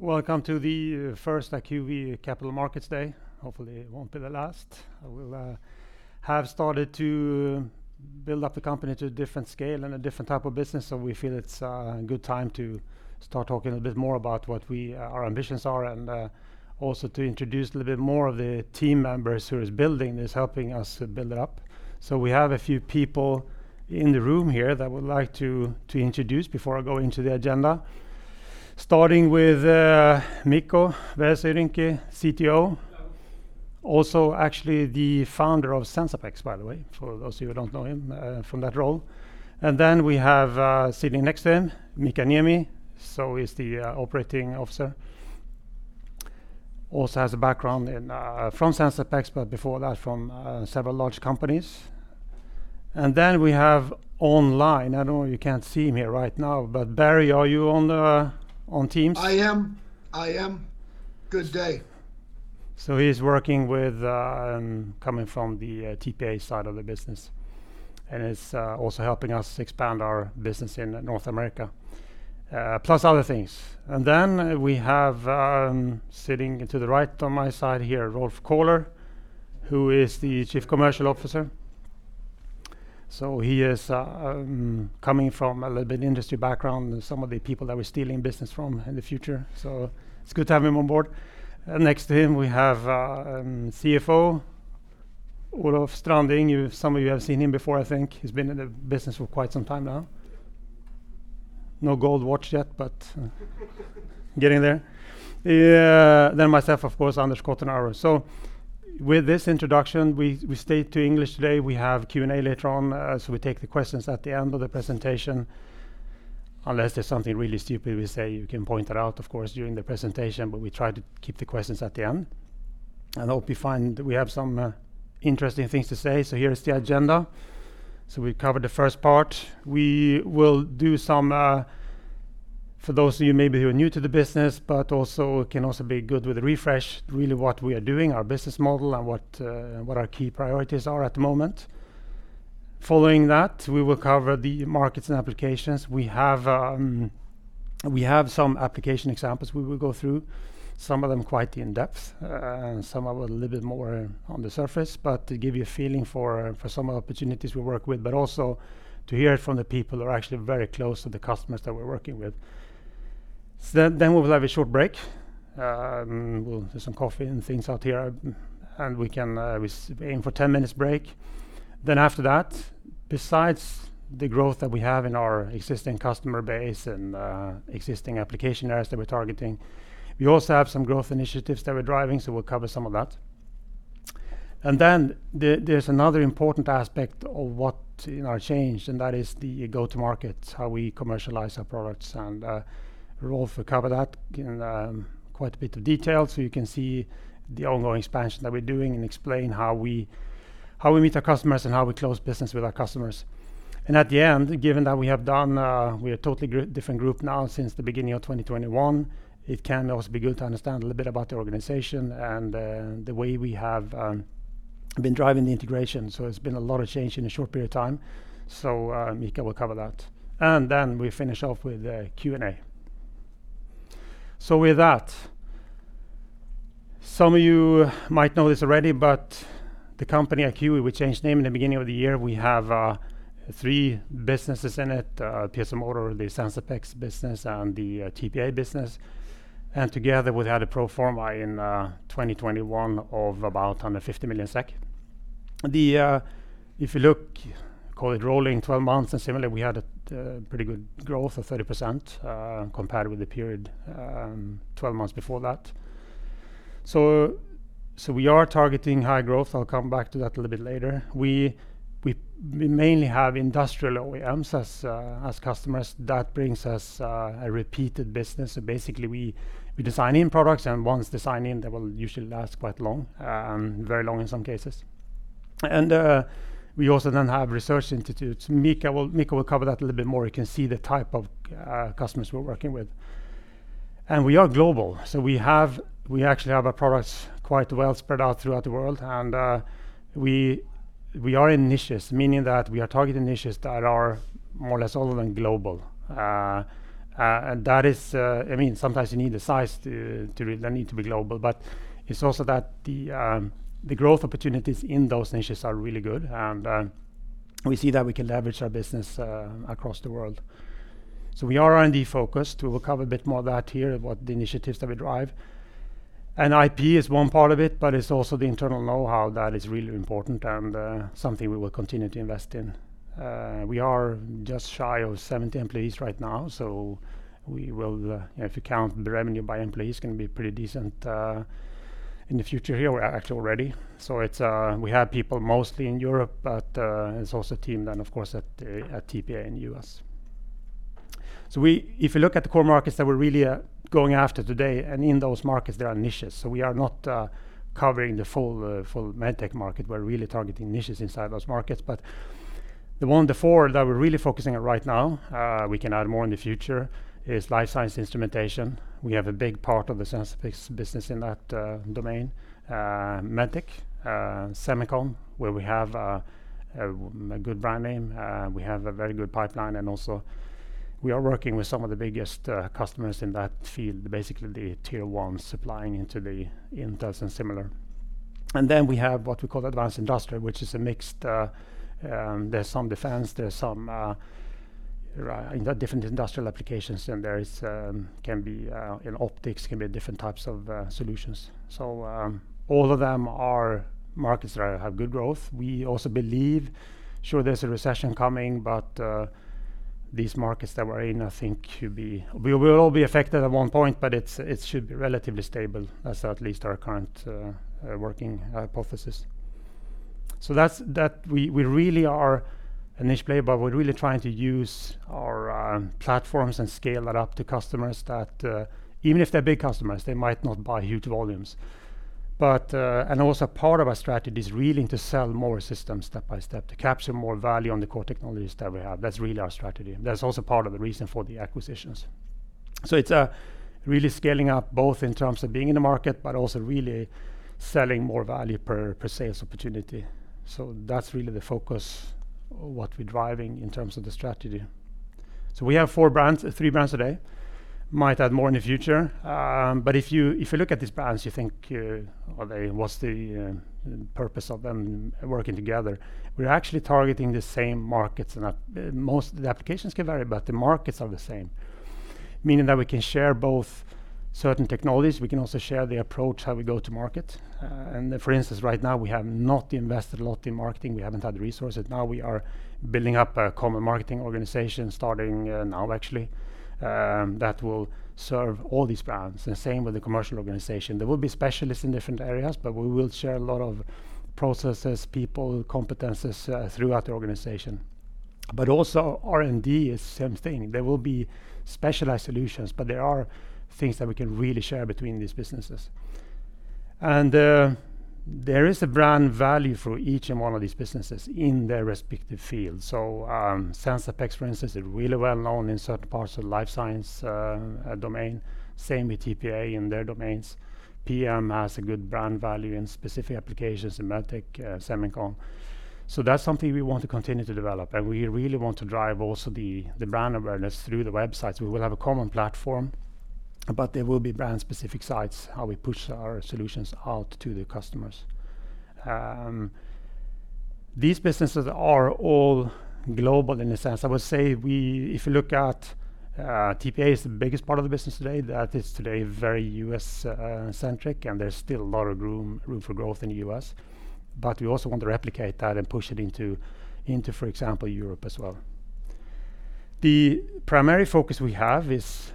Welcome to the first Acuvi Capital Markets Day. Hopefully it won't be the last. We'll have started to build up the company to a different scale and a different type of business. We feel it's a good time to start talking a bit more about what our ambitions are and also to introduce a little bit more of the team members who is building this, helping us build it up. We have a few people in the room here that I would like to introduce before I go into the agenda. Starting with Mikko Vähäsöyrinki, Chief Technology Officer. Also actually the founder of Sensapex, by the way for those of you who don't know him from that role. Then we have sitting next to him, Mika Niemi, so he's the Chief Operating Officer. Also has a background in from Sensapex, but before that from several large companies. Then we have online, I don't know, you can't see him here right now, but Barry, are you on Teams? I am. Good day. He's working with, coming from the TPA side of the business and is also helping us expand our business in North America, plus other things. We have sitting to the right on my side here, Rolf Kohler, who is the Chief Commercial Officer. He is coming from a little bit industry background and some of the people that we're stealing business from in the future. It's good to have him on board. Next to him, we have our Chief Financial Officer, Olof Stranding. Some of you have seen him before, I think. He's been in the business for quite some time now. No gold watch yet, but getting there. Myself, of course, Anders Kottenauer. With this introduction, we stick to English today. We have Q&A later on, so we take the questions at the end of the presentation. Unless there's something really stupid we say, you can point that out, of course, during the presentation, but we try to keep the questions at the end. Hope you find that we have some interesting things to say. Here is the agenda. We covered the first part. We will do some for those of you maybe who are new to the business, but also can be good with a refresh, really what we are doing, our business model, and what our key priorities are at the moment. Following that, we will cover the markets and applications. We have some application examples we will go through, some of them quite in-depth, and some a little bit more on the surface, but to give you a feeling for some of the opportunities we work with, but also to hear it from the people who are actually very close to the customers that we're working with. We will have a short break. We'll get some coffee and things out here, and we aim for 10 minutes break. After that, besides the growth that we have in our existing customer base and existing application areas that we're targeting, we also have some growth initiatives that we're driving, so we'll cover some of that. There's another important aspect of what in our change, and that is the go-to-market, how we commercialize our products. Rolf will cover that in quite a bit of detail so you can see the ongoing expansion that we're doing and explain how we meet our customers and how we close business with our customers. At the end, given that we have done, we're a totally different group now since the beginning of 2021, it can also be good to understand a little bit about the organization and the way we have been driving the integration. It's been a lot of change in a short period of time. Mikko will cover that. Then we finish off with a Q&A. With that, some of you might know this already, but the company Acuvi, we changed name in the beginning of the year. We have three businesses in it, PiezoMotor, the Sensapex business, and the TPA business. Together, we had a pro forma in 2021 of about 150 million SEK If you look, call it rolling 12 months and similarly, we had a pretty good growth of 30%, compared with the period, 12 months before that. We are targeting high growth. I'll come back to that a little bit later. We mainly have industrial OEMs as customers. That brings us a repeated business. Basically, we design in products, and once designed in, they will usually last quite long, very long in some cases. We also then have research institutes. Mikko will cover that a little bit more. You can see the type of customers we're working with. We are global. We actually have our products quite well spread out throughout the world. We are in niches, meaning that we are targeting niches that are more or less all of them global. I mean, sometimes you need the size they need to be global, but it's also that the growth opportunities in those niches are really good. We see that we can leverage our business across the world. We are R&D focused. We will cover a bit more of that here, of what the initiatives that we drive. IP is one part of it, but it's also the internal know-how that is really important and something we will continue to invest in. We are just shy of 70 employees right now, so if you count the revenue by employees, it's gonna be pretty decent in the future here. We have people mostly in Europe, but it's also a team then, of course, at TPA in the U.S. If you look at the core markets that we're really going after today, and in those markets, there are niches. We are not covering the full MedTech market. We're really targeting niches inside those markets. The four that we're really focusing on right now, we can add more in the future, is Life Science Instrumentation. We have a big part of the Sensapex business in that domain. MedTech, Semicon, where we have a good brand name we have a very good pipeline, and also we are working with some of the biggest customers in that field, basically the tier one supplying into the Intel and similar. Then we have what we call advanced industrial which is a mixed, there's some defense, there's some different industrial applications, and there can be in optics, can be different types of solutions. All of them are markets that have good growth. We also believe, sure there's a recession coming, but these markets that we're in, I think should be. We'll all be affected at one point, but it should be relatively stable. That's at least our current working hypothesis. We really are a niche player, but we're really trying to use our platforms and scale that up to customers that even if they're big customers, they might not buy huge volumes. And also part of our strategy is really to sell more systems step by step, to capture more value on the core technologies that we have. That's really our strategy, and that's also part of the reason for the acquisitions. It's really scaling up both in terms of being in the market, but also really selling more value per sales opportunity. That's really the focus of what we're driving in terms of the strategy. We have four brands, three brands today. Might add more in the future. If you look at these brands, you think, what's the purpose of them working together? We're actually targeting the same markets. Most of the applications can vary, but the markets are the same, meaning that we can share both certain technologies. We can also share the approach, how we go to market. For instance, right now we have not invested a lot in marketing. We haven't had the resources. Now we are building up a common marketing organization starting now actually that will serve all these brands and same with the commercial organization. There will be specialists in different areas, but we will share a lot of processes, people, competences throughout the organization. Also R&D is same thing. There will be specialized solutions, but there are things that we can really share between these businesses. There is a brand value for each one of these businesses in their respective fields. Sensapex, for instance, is really well known in certain parts of the life science domain. Same with TPA in their domains. PM has a good brand value in specific applications in MedTech, Semicon. That's something we want to continue to develop, and we really want to drive also the brand awareness through the websites. We will have a common platform but there will be brand-specific sites, how we push our solutions out to the customers. These businesses are all global in a sense. I would say if you look at TPA is the biggest part of the business today. That is today very U.S. centric, and there's still a lot of room for growth in the U.S., but we also want to replicate that and push it into, for example, Europe as well. The primary focus we have is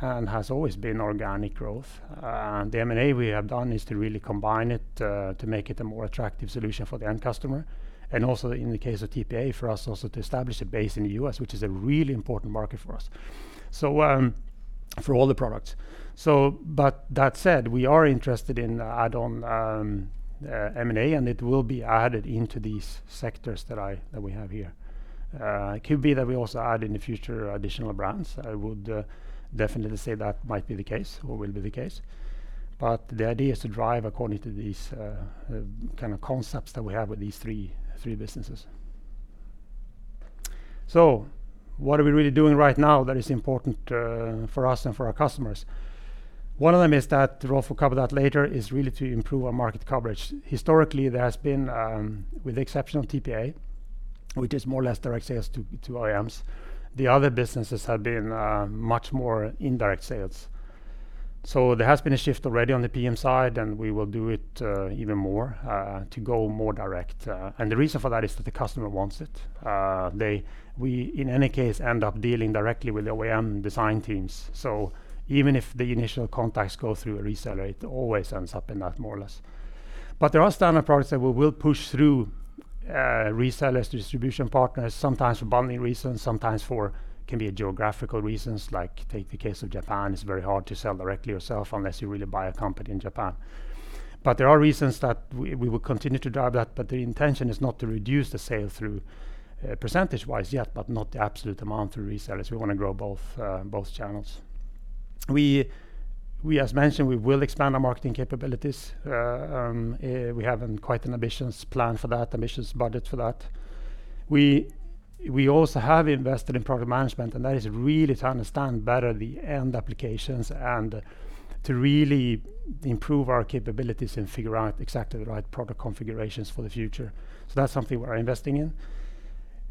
and has always been organic growth. The M&A we have done is to really combine it, to make it a more attractive solution for the end customer, and also in the case of TPA, for us also to establish a base in the U.S., which is a really important market for us, for all the products. That said, we are interested in add-on M&A, and it will be added into these sectors that we have here. Could be that we also add in the future additional brands. I would definitely say that might be the case or will be the case. The idea is to drive according to these kind of concepts that we have with these three businesses. What are we really doing right now that is important for us and for our customers? One of them is that Rolf will cover that later, is really to improve our market coverage. Historically, there has been with the exception of TPA, which is more or less direct sales to OEMs. The other businesses have been much more indirect sales. There has been a shift already on the PM side, and we will do it even more to go more direct, and the reason for that is that the customer wants it. We in any case end up dealing directly with OEM design teams. Even if the initial contacts go through a reseller, it always ends up in that more or less. There are standard products that we will push through resellers, distribution partners, sometimes for bundling reasons, sometimes can be geographical reasons. Like take the case of Japan, it's very hard to sell directly yourself unless you really buy a company in Japan. There are reasons that we will continue to drive that, but the intention is not to reduce the sale through percentage-wise yet, but not the absolute amount through resellers. We wanna grow both channels. As mentioned, we will expand our marketing capabilities. We have quite an ambitious plan for that ambitious budget for that. We also have invested in product management, and that is really to understand better the end applications and to really improve our capabilities and figure out exactly the right product configurations for the future. That's something we're investing in.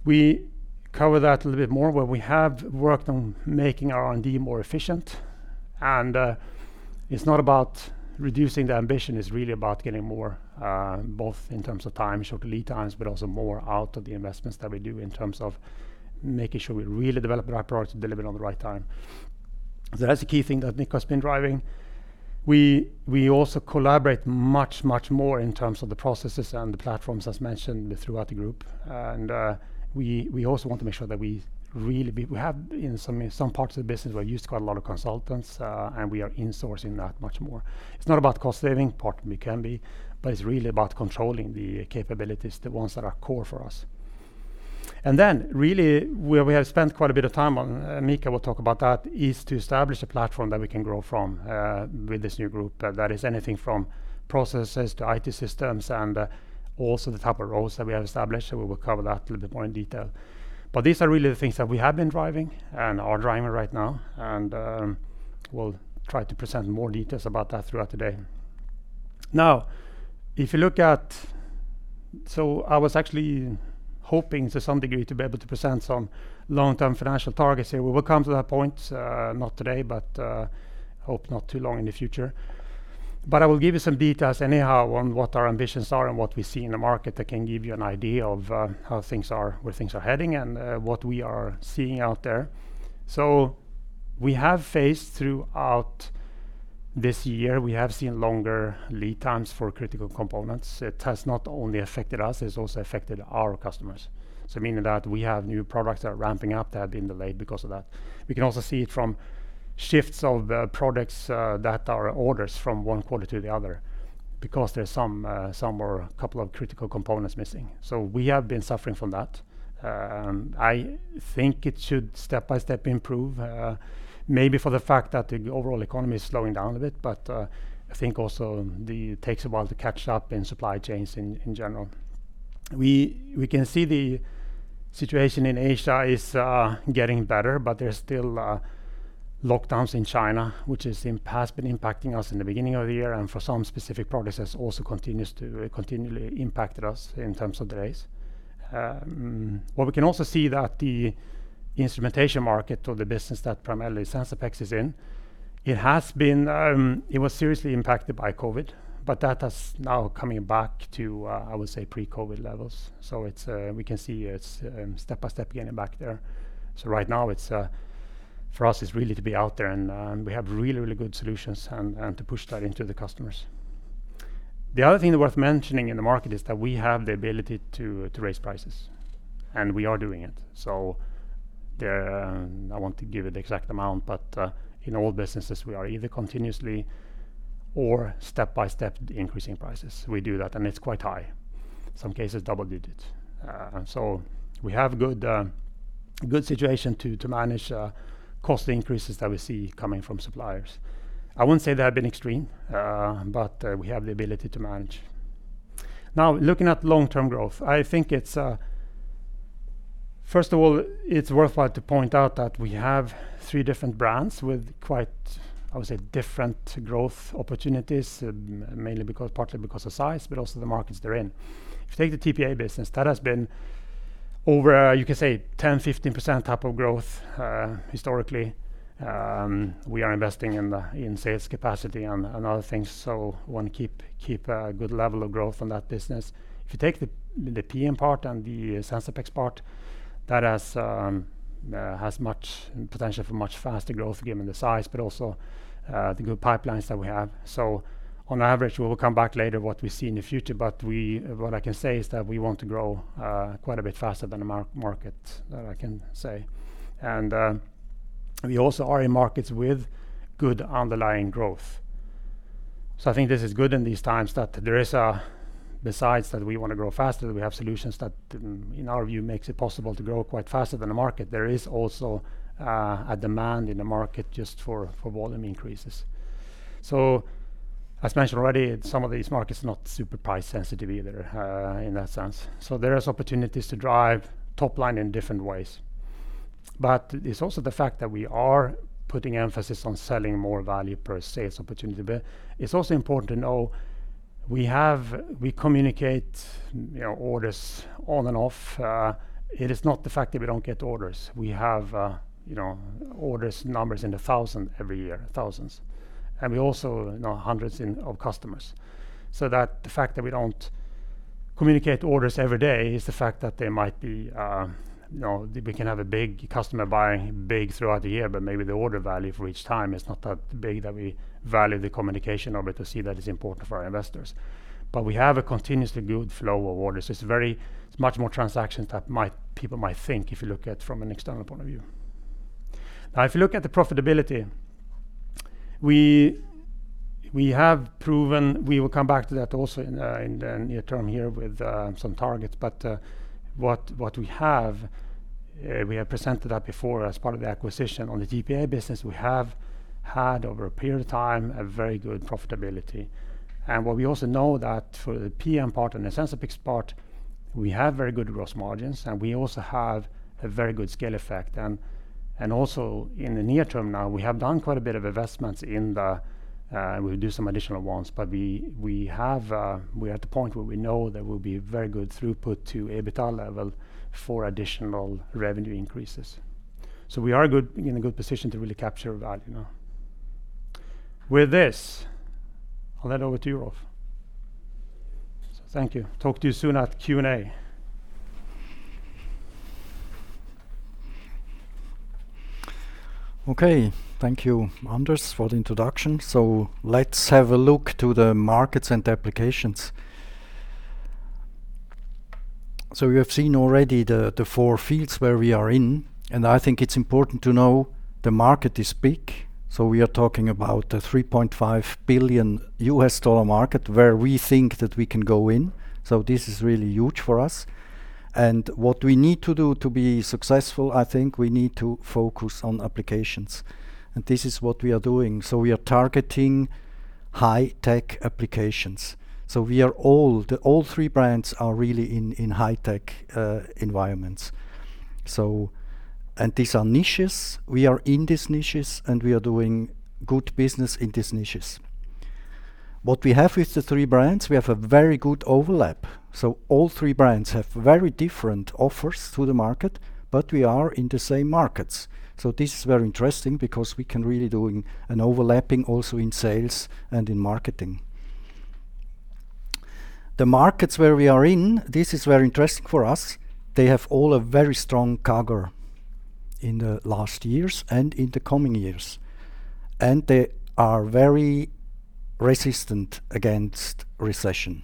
We cover that a little bit more where we have worked on making R&D more efficient, and it's not about reducing the ambition. It's really about getting more, both in terms of time shorter lead times but also more out of the investments that we do in terms of making sure we really develop the right products and deliver it on the right time. That's a key thing that Mikko's been driving. We also collaborate much more in terms of the processes and the platforms, as mentioned throughout the group. We also want to make sure that we really We have in some parts of the business, we're used to quite a lot of consultants, and we are insourcing that much more. It's not about cost saving. Partly it can be but it's really about controlling the capabilities, the ones that are core for us. Then really where we have spent quite a bit of time on, Mikko will talk about that, is to establish a platform that we can grow from, with this new group. That is anything from processes to IT systems and, also the type of roles that we have established. We will cover that a little bit more in detail. These are really the things that we have been driving and are driving right now, and we'll try to present more details about that throughout the day. Now, if you look at. I was actually hoping to some degree to be able to present some long-term financial targets here. We will come to that point not today, but hope not too long in the future. I will give you some details anyhow on what our ambitions are and what we see in the market that can give you an idea of how things are, where things are heading, and what we are seeing out there. We have faced throughout this year, we have seen longer lead times for critical components. It has not only affected us, it has also affected our customers. Meaning that we have new products that are ramping up that have been delayed because of that. We can also see it from shifts of products that are orders from one quarter to the other because there's some or a couple of critical components missing. We have been suffering from that. I think it should step by step improve, maybe for the fact that the overall economy is slowing down a bit. I think also it takes a while to catch up in supply chains in general. We can see the situation in Asia is getting better, but there's still lockdowns in China, which has been impacting us in the beginning of the year and for some specific products has also continued to continually impact us in terms of the delays. What we can also see that the instrumentation market or the business that primarily Sensapex is in, it was seriously impacted by COVID, but that has now come back to, I would say pre-COVID levels. We can see it's step by step getting back there. Right now it's for us, it's really to be out there and we have really, really good solutions and to push that into the customers. The other thing worth mentioning in the market is that we have the ability to raise prices, and we are doing it. I don't want to give you the exact amount, but in all businesses, we are either continuously or step-by-step increasing prices. We do that, and it's quite high. Some cases double digits. We have a good situation to manage cost increases that we see coming from suppliers. I wouldn't say they have been extreme, but we have the ability to manage. Looking at long-term growth, I think it's first of all worthwhile to point out that we have three different brands with quite different growth opportunities, mainly because partly because of size, but also the markets they're in. If you take the TPA business, that has been over, you could say 10%-15% type of growth historically. We are investing in sales capacity and other things. Wanna keep a good level of growth on that business. If you take the PM part and the Sensapex part, that has much potential for much faster growth given the size, but also the good pipelines that we have. On average, we will come back later what we see in the future. What I can say is that we want to grow quite a bit faster than the market, that I can say. We also are in markets with good underlying growth. I think this is good in these times that there is a, besides that we wanna grow faster, we have solutions that in our view makes it possible to grow quite faster than the market. There is also a demand in the market just for volume increases. As mentioned already, some of these markets are not super price sensitive either, in that sense. There is opportunities to drive top line in different ways. It's also the fact that we are putting emphasis on selling more value per sales opportunity. It's also important to know we have, we communicate, you know, orders on and off. It is not the fact that we don't get orders. We have, you know, orders numbers in the thousands every year. We also have hundreds of customers. The fact that we don't communicate orders every day is the fact that there might be we can have a big customer buying big throughout the year, but maybe the order value for each time is not that big that we value the communication of it to see that it's important for our investors. We have a continuously good flow of orders. It's very much more transactions than people might think if you look at it from an external point of view. Now, if you look at the profitability, we have proven we will come back to that also in the near term here with some targets. What we have presented that before as part of the acquisition of the TPA business. We have had over a period of time a very good profitability. What we also know that for the PM part and the Sensapex part, we have very good gross margins, and we also have a very good scale effect. Also in the near term now, we have done quite a bit of investments, and we'll do some additional ones. We have, we're at the point where we know there will be very good throughput to EBITDA level for additional revenue increases. We are good, in a good position to really capture value now. With this, I'll hand over to you, Rolf. Thank you. Talk to you soon at the Q&A. Okay Thank you Anders for the introduction. Let's have a look to the markets and applications. You have seen already the four fields where we are in, and I think it's important to know the market is big. We are talking about a $3.5 billion market where we think that we can go in. This is really huge for us. What we need to do to be successful, I think we need to focus on applications, and this is what we are doing. We are targeting high-tech applications. All three brands are really in high-tech environments. These are niches. We are in these niches, and we are doing good business in these niches. What we have with the three brands, we have a very good overlap. All three brands have very different offers to the market, but we are in the same markets. This is very interesting because we can really doing an overlapping also in sales and in marketing. The markets where we are in, this is very interesting for us. They have all a very strong CAGR in the last years and in the coming years, and they are very resistant against recession.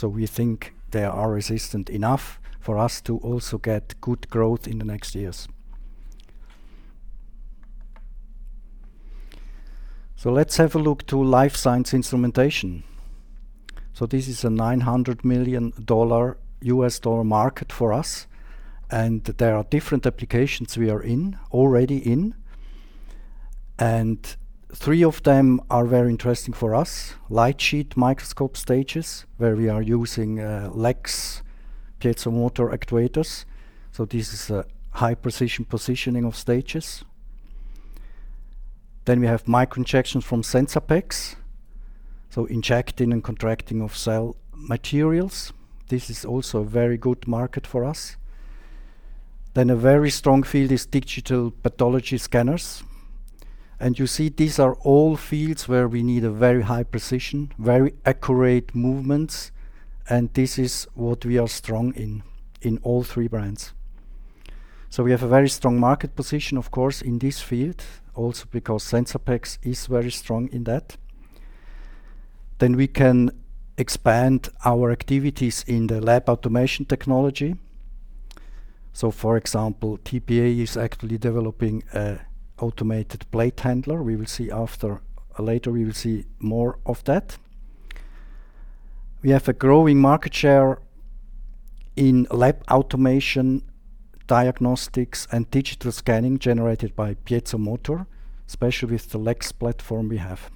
We think they are resistant enough for us to also get good growth in the next years. Let's have a look to Life Science Instrumentation. This is a $900 million market for us, and there are different applications we are in, and three of them are very interesting for us. Light sheet microscope stages, where we are using LEGS piezomotor actuators. This is a high-precision positioning of stages. We have microinjection from Sensapex, so injecting and contracting of cell materials. This is also a very good market for us. A very strong field is digital pathology scanners. You see these are all fields where we need a very high precision, very accurate movements, and this is what we are strong in all three brands. We have a very strong market position, of course in this field also because Sensapex is very strong in that. We can expand our activities in the lab automation technology. For example, TPA is actually developing an automated plate handler. Later, we will see more of that. We have a growing market share in lab automation, diagnostics, and digital scanning generated by PiezoMotor, especially with the LEGS platform we have.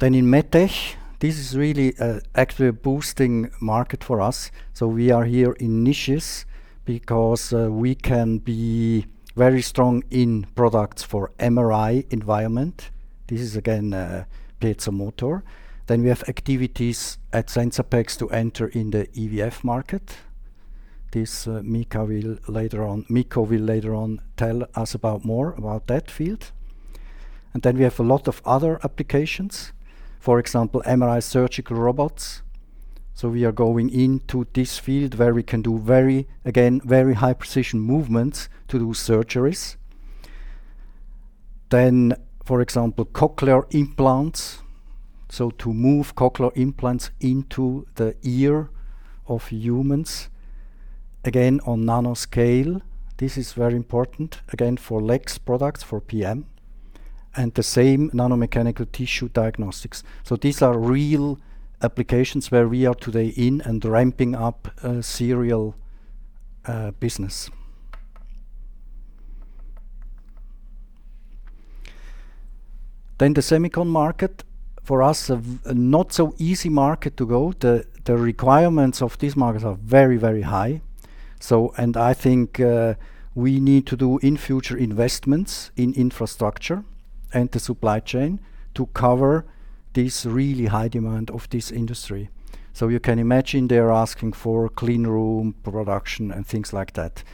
In MedTech, this is really actually a boosting market for us, so we are here in niches because we can be very strong in products for MRI environment. This is again piezomotor. We have activities at Sensapex to enter in the IVF market. This, Mikko will later on tell us about more about that field. We have a lot of other applications, for example, MRI surgical robots. We are going into this field where we can do very, again, very high-precision movements to do surgeries. For example, cochlear implants, so to move cochlear implants into the ear of humans again, on nanoscale. This is very important again, for LEGS products, for PM, and the same nanomechanical tissue diagnostics. These are real applications where we are today in and ramping up a serial business. The Semicon market for us a not so easy market to go. The requirements of this market are very high. I think we need to do in future investments in infrastructure and the supply chain to cover this really high demand of this industry. You can imagine they are asking for cleanroom production and things like that.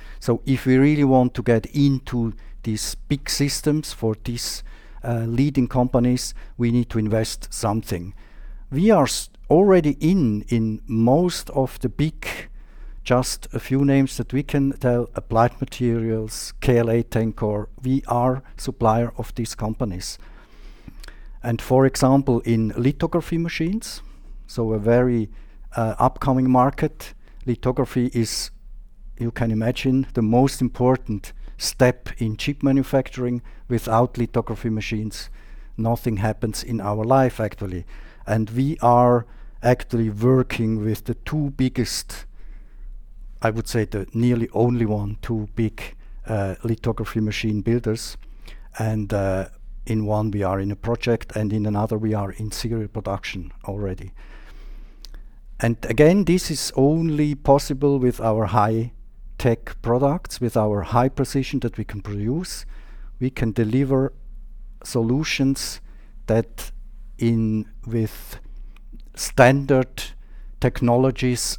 If we really want to get into these big systems for these leading companies, we need to invest something. We are already in most of the big, just a few names that we can tell, Applied Materials, KLA Corporation. We are supplier of these companies. For example, in lithography machines, so a very upcoming market. Lithography is you can imagine the most important step in chip manufacturing. Without lithography machines nothing happens in our life, actually. We are actually working with the two biggest, I would say the nearly only two big lithography machine builders. In one, we are in a project, and in another, we are in serial production already. Again, this is only possible with our high-tech products, with our high precision that we can produce. We can deliver solutions that with standard technologies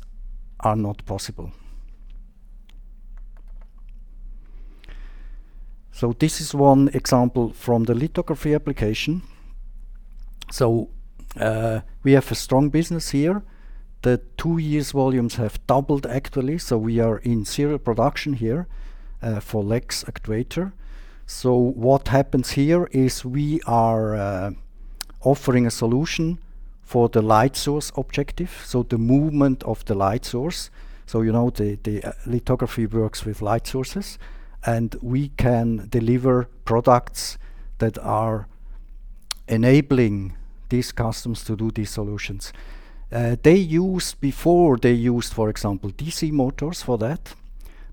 are not possible. This is one example from the lithography application. We have a strong business here. The two years' volumes have doubled actually, so we are in serial production here for LEGS actuator. What happens here is we are offering a solution for the light source objective, so the movement of the light source. Lithography works with light sources, and we can deliver products that are enabling these customers to do these solutions. Before they used for example, DC motors for that,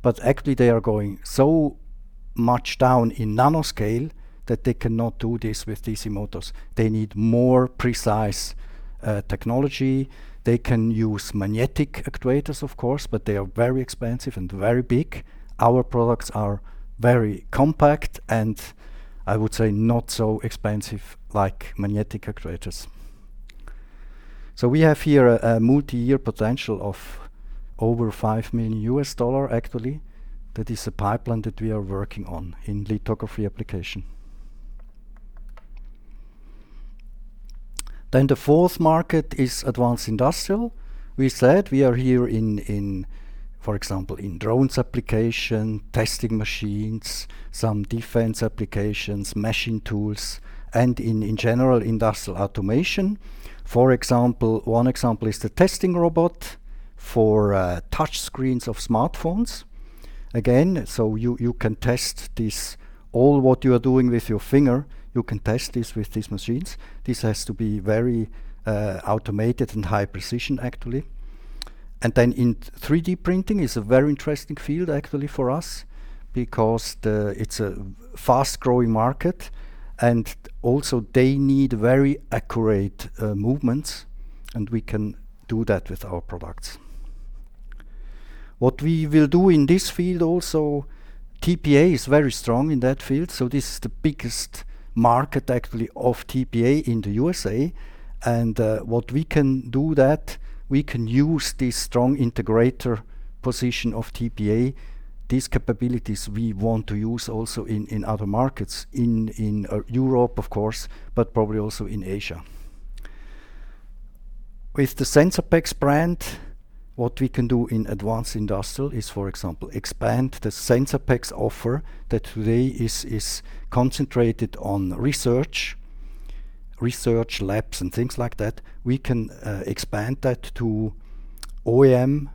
but actually, they are going so much down in nanoscale that they cannot do this with DC motors. They need more precise technology. They can use magnetic actuators, of course, but they are very expensive and very big. Our products are very compact, and I would say not so expensive like magnetic actuators. We have here a multi-year potential of over $5 million actually. That is a pipeline that we are working on in lithography application. The fourth market is advanced industrial. We said we are here in, for example, in drones application, testing machines, some defense applications, machine tools, and in general, industrial automation. For example, one example is the testing robot for touch screens of smartphones. Again, you can test this all what you are doing with your finger, you can test this with these machines. This has to be very automated and high precision actually. 3D printing is a very interesting field actually for us because it's a fast-growing market, and also they need very accurate movements, and we can do that with our products. What we will do in this field also, TPA is very strong in that field, so this is the biggest market actually of TPA in the USA. What we can do that, we can use this strong integrator position of TPA. These capabilities we want to use also in other markets in Europe, of course, but probably also in Asia. With the Sensapex brand, what we can do in advanced industrial is for example expand the Sensapex offer that today is concentrated on research labs, and things like that. We can expand that to OEM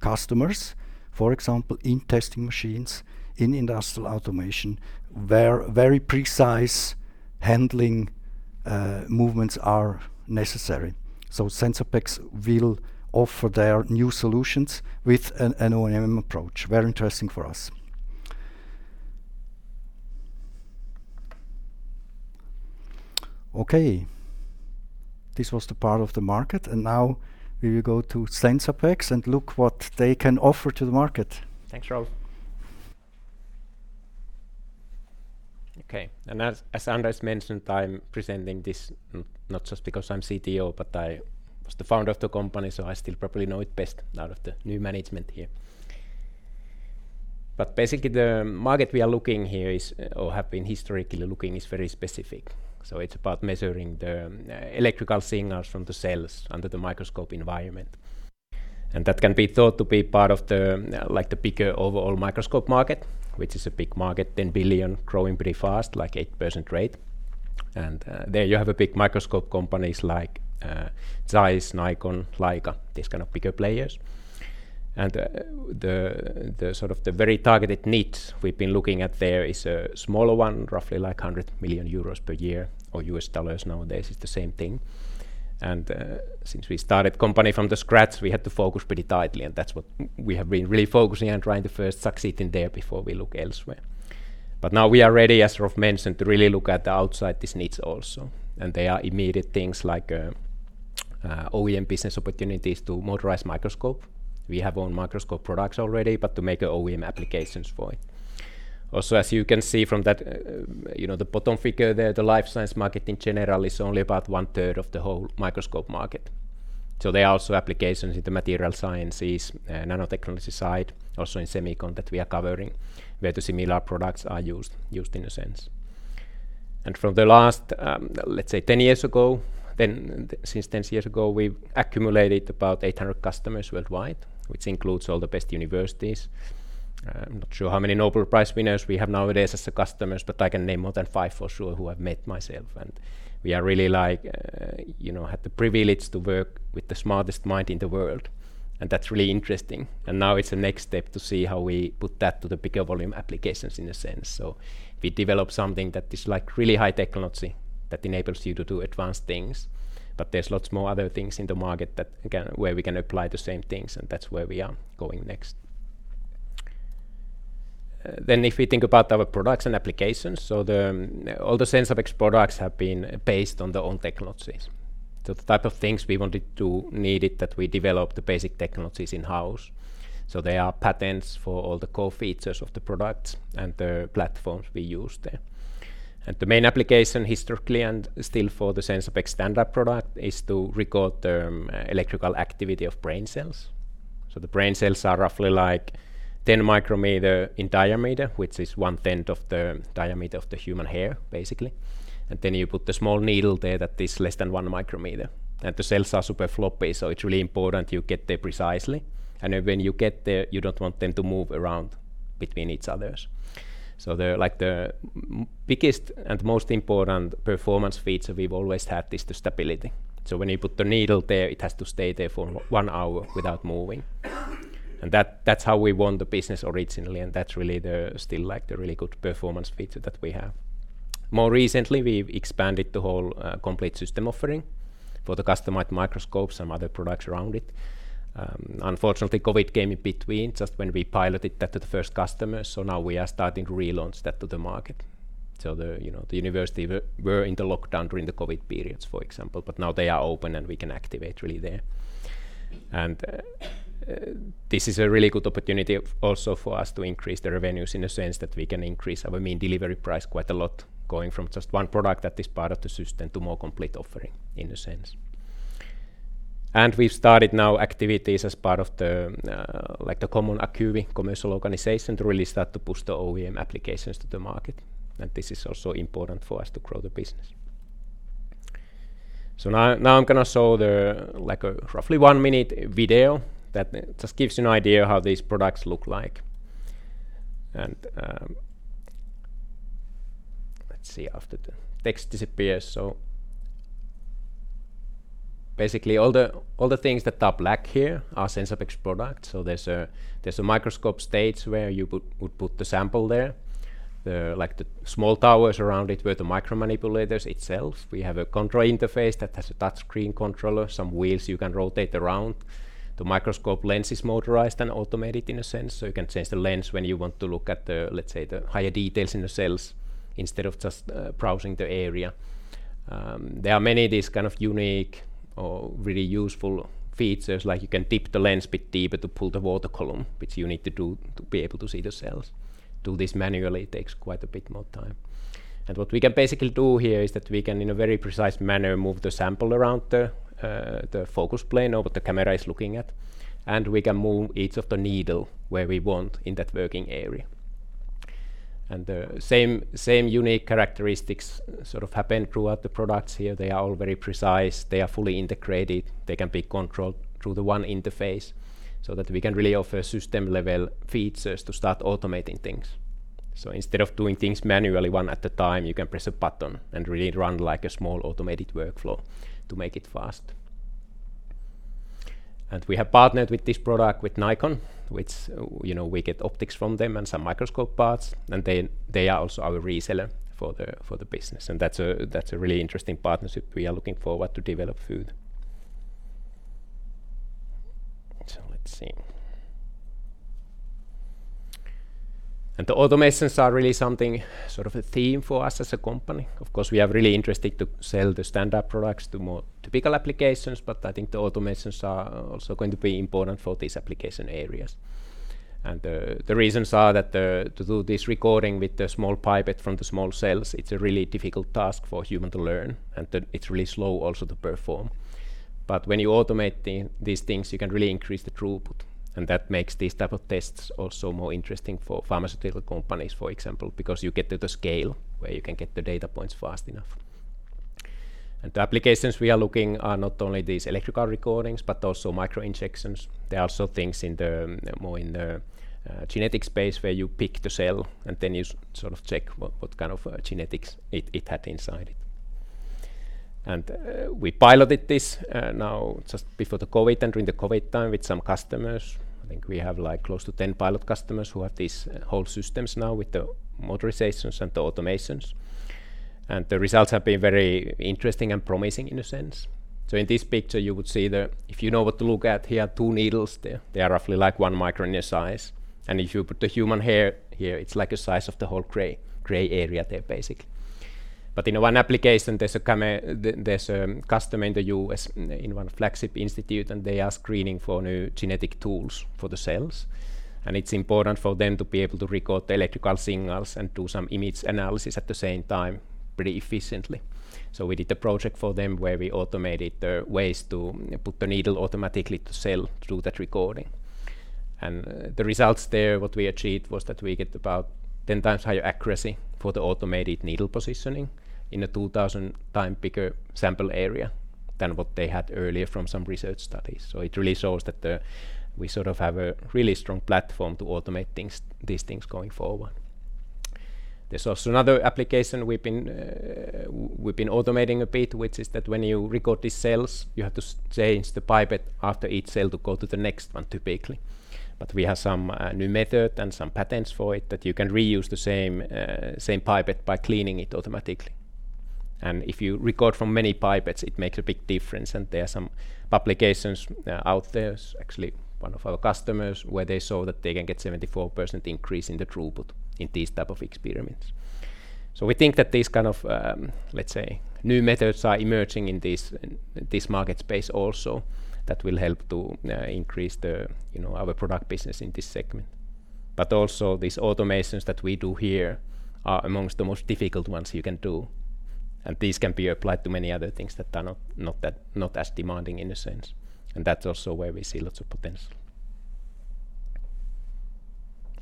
customers, for example in testing machines in industrial automation, where very precise handling movements are necessary. Sensapex will offer their new solutions with an OEM approach. Very interesting for us. Okay. This was the part of the market, and now we will go to Sensapex and look what they can offer to the market. Thanks Rolf Okay As Anders mentioned, I'm presenting this not just because I'm Chief Technology Officer, but I was the founder of the company, so I still probably know it best out of the new management here. But basically the market we are looking here is or have been historically looking is very specific. It's about measuring the electrical signals from the cells under the microscope environment. That can be thought to be part of the like the bigger overall microscope market, which is a big market, $10 billion, growing pretty fast, like 8% rate. There you have big microscope companies like ZEISS, Nikon, Leica, these kind of bigger players. The sort of the very targeted niche we've been looking at there is a smaller one, roughly 100 million euros per year or U.S. dollars nowadays. It's the same thing. Since we started the company from scratch, we had to focus pretty tightly, and that's what we have been really focusing and trying to first succeed in there before we look elsewhere. Now we are ready, as Rolf mentioned, to really look outside these niches also. They are immediate things like OEM business opportunities to motorized microscopes. We have our own microscope products already, but to make OEM applications for it. Also, as you can see from that, you know, the bottom figure there, the life science market in general is only about 1/3 of the whole microscope market. There are also applications in the materials science and nanotechnology side, also in Semicon that we are covering, where the similar products are used in a sense. From the last, let's say 10 years ago, then since 10 years ago, we've accumulated about 800 customers worldwide, which includes all the best universities. I'm not sure how many Nobel Prize winners we have nowadays as customers, but I can name more than five for sure who I've met myself. We are really like, you know, had the privilege to work with the smartest mind in the world, and that's really interesting. Now it's the next step to see how we put that to the bigger volume applications in a sense. We developed something that is like really high technology that enables you to do advanced things, but there's lots more other things in the market that again where we can apply the same things, and that's where we are going next. If we think about our products and applications, all the Sensapex products have been based on their own technologies. The type of things we needed that we developed the basic technologies in-house. There are patents for all the core features of the products and the platforms we use there. The main application historically and still for the Sensapex standard product is to record the electrical activity of brain cells. The brain cells are roughly like 10 micrometer in diameter, which is 1/10 of the diameter of the human hair, basically. You put the small needle there that is less than 1 micrometer. The cells are super floppy, so it's really important you get there precisely. When you get there, you don't want them to move around between each others. The biggest and most important performance feature we've always had is the stability. When you put the needle there, it has to stay there for one hour without moving. That's how we won the business originally, and that's really the still, like, the really good performance feature that we have. More recently, we've expanded the whole complete system offering for the customized microscope, some other products around it. Unfortunately COVID came in between just when we piloted that to the first customer, so now we are starting to relaunch that to the market. The, you know, the university was in the lockdown during the COVID periods, for example. Now they are open and we can activate really there. This is a really good opportunity also for us to increase the revenues in a sense that we can increase our mean delivery price quite a lot, going from just one product that is part of the system to more complete offering in a sense. We've started now activities as part of the like the common Acuvi commercial organization to really start to push the OEM applications to the market. This is also important for us to grow the business. Now I'm gonna show the like a roughly one-minute video that just gives you an idea how these products look like. Let's see, after the text disappears. Basically all the things that are black here are Sensapex products. There's a microscope stage where you would put the sample there. Like, the small towers around it were the micromanipulators itself. We have a control interface that has a touchscreen controller, some wheels you can rotate around. The microscope lens is motorized and automated in a sense, so you can change the lens when you want to look at the, let's say, higher details in the cells instead of just browsing the area. There are many of these kind of unique or really useful features, like you can dip the lens bit deeper to pull the water column, which you need to do to be able to see the cells. Do this manually takes quite a bit more time. What we can basically do here is that we can, in a very precise manner, move the sample around the focus plane or what the camera is looking at. We can move each of the needle where we want in that working area. The same unique characteristics sort of happen throughout the products here. They are all very precise. They are fully integrated. They can be controlled through the one interface so that we can really offer system-level features to start automating things. Instead of doing things manually one at a time, you can press a button and really run like a small automated workflow to make it fast. We have partnered with this product with Nikon, which, you know, we get optics from them and some microscope parts. They are also our reseller for the business, and that's a really interesting partnership we are looking forward to develop further. Let's see. The automations are really something, sort of a theme for us as a company. Of course, we are really interested to sell the standup products to more typical applications, but I think the automations are also going to be important for these application areas. The reasons are that to do this recording with the small pipette from the small cells, it's a really difficult task for a human to learn, and then it's really slow also to perform. When you automate these things, you can really increase the throughput, and that makes these type of tests also more interesting for pharmaceutical companies, for example, because you get to the scale where you can get the data points fast enough. The applications we are looking are not only these electrical recordings but also microinjection. There are also things in the more in the genetic space where you pick the cell, and then you sort of check what kind of genetics it had inside it. We piloted this now just before the COVID and during the COVID time with some customers. I think we have, like, close to 10 pilot customers who have these whole systems now with the motorizations and the automations. The results have been very interesting and promising in a sense. In this picture you would see the. If you know what to look at here, two needles there. They are roughly like one micron in size. If you put the human hair here, it's like a size of the whole gray area there, basically. In one application, there's a customer in the U.S. in one flagship institute, and they are screening for new genetic tools for the cells. It's important for them to be able to record the electrical signals and do some image analysis at the same time pretty efficiently. We did a project for them where we automated the ways to put the needle automatically to the cell to do that recording. The results there, what we achieved was that we get about 10x higher accuracy for the automated needle positioning in a 2000x bigger sample area than what they had earlier from some research studies. It really shows that we sort of have a really strong platform to automate things, these things going forward. There's also another application we've been automating a bit, which is that when you record these cells, you have to change the pipette after each cell to go to the next one typically. We have some new method and some patents for it that you can reuse the same pipette by cleaning it automatically. If you record from many pipettes, it makes a big difference, and there are some publications out there, actually one of our customers, where they saw that they can get 74% increase in the throughput in these type of experiments. We think that these kind of new methods are emerging in this market space also that will help to increase our product business in this segment. Also these automations that we do here are among the most difficult ones you can do. These can be applied to many other things that are not as demanding in a sense. That's also where we see lots of potential.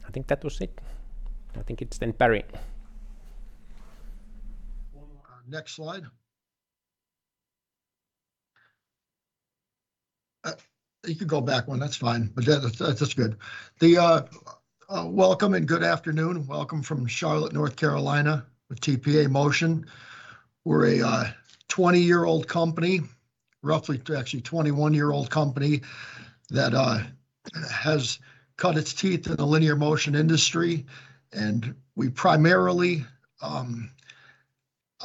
I think that was it. I think it's then Barry. One more. Next slide. You can go back one. That's fine. Yeah, that's good. The welcome and good afternoon. Welcome from Charlotte, North Carolina with TPA Motion. We're a 20-years-old company, roughly actually 21-years-old company that has cut its teeth in the linear motion industry. We primarily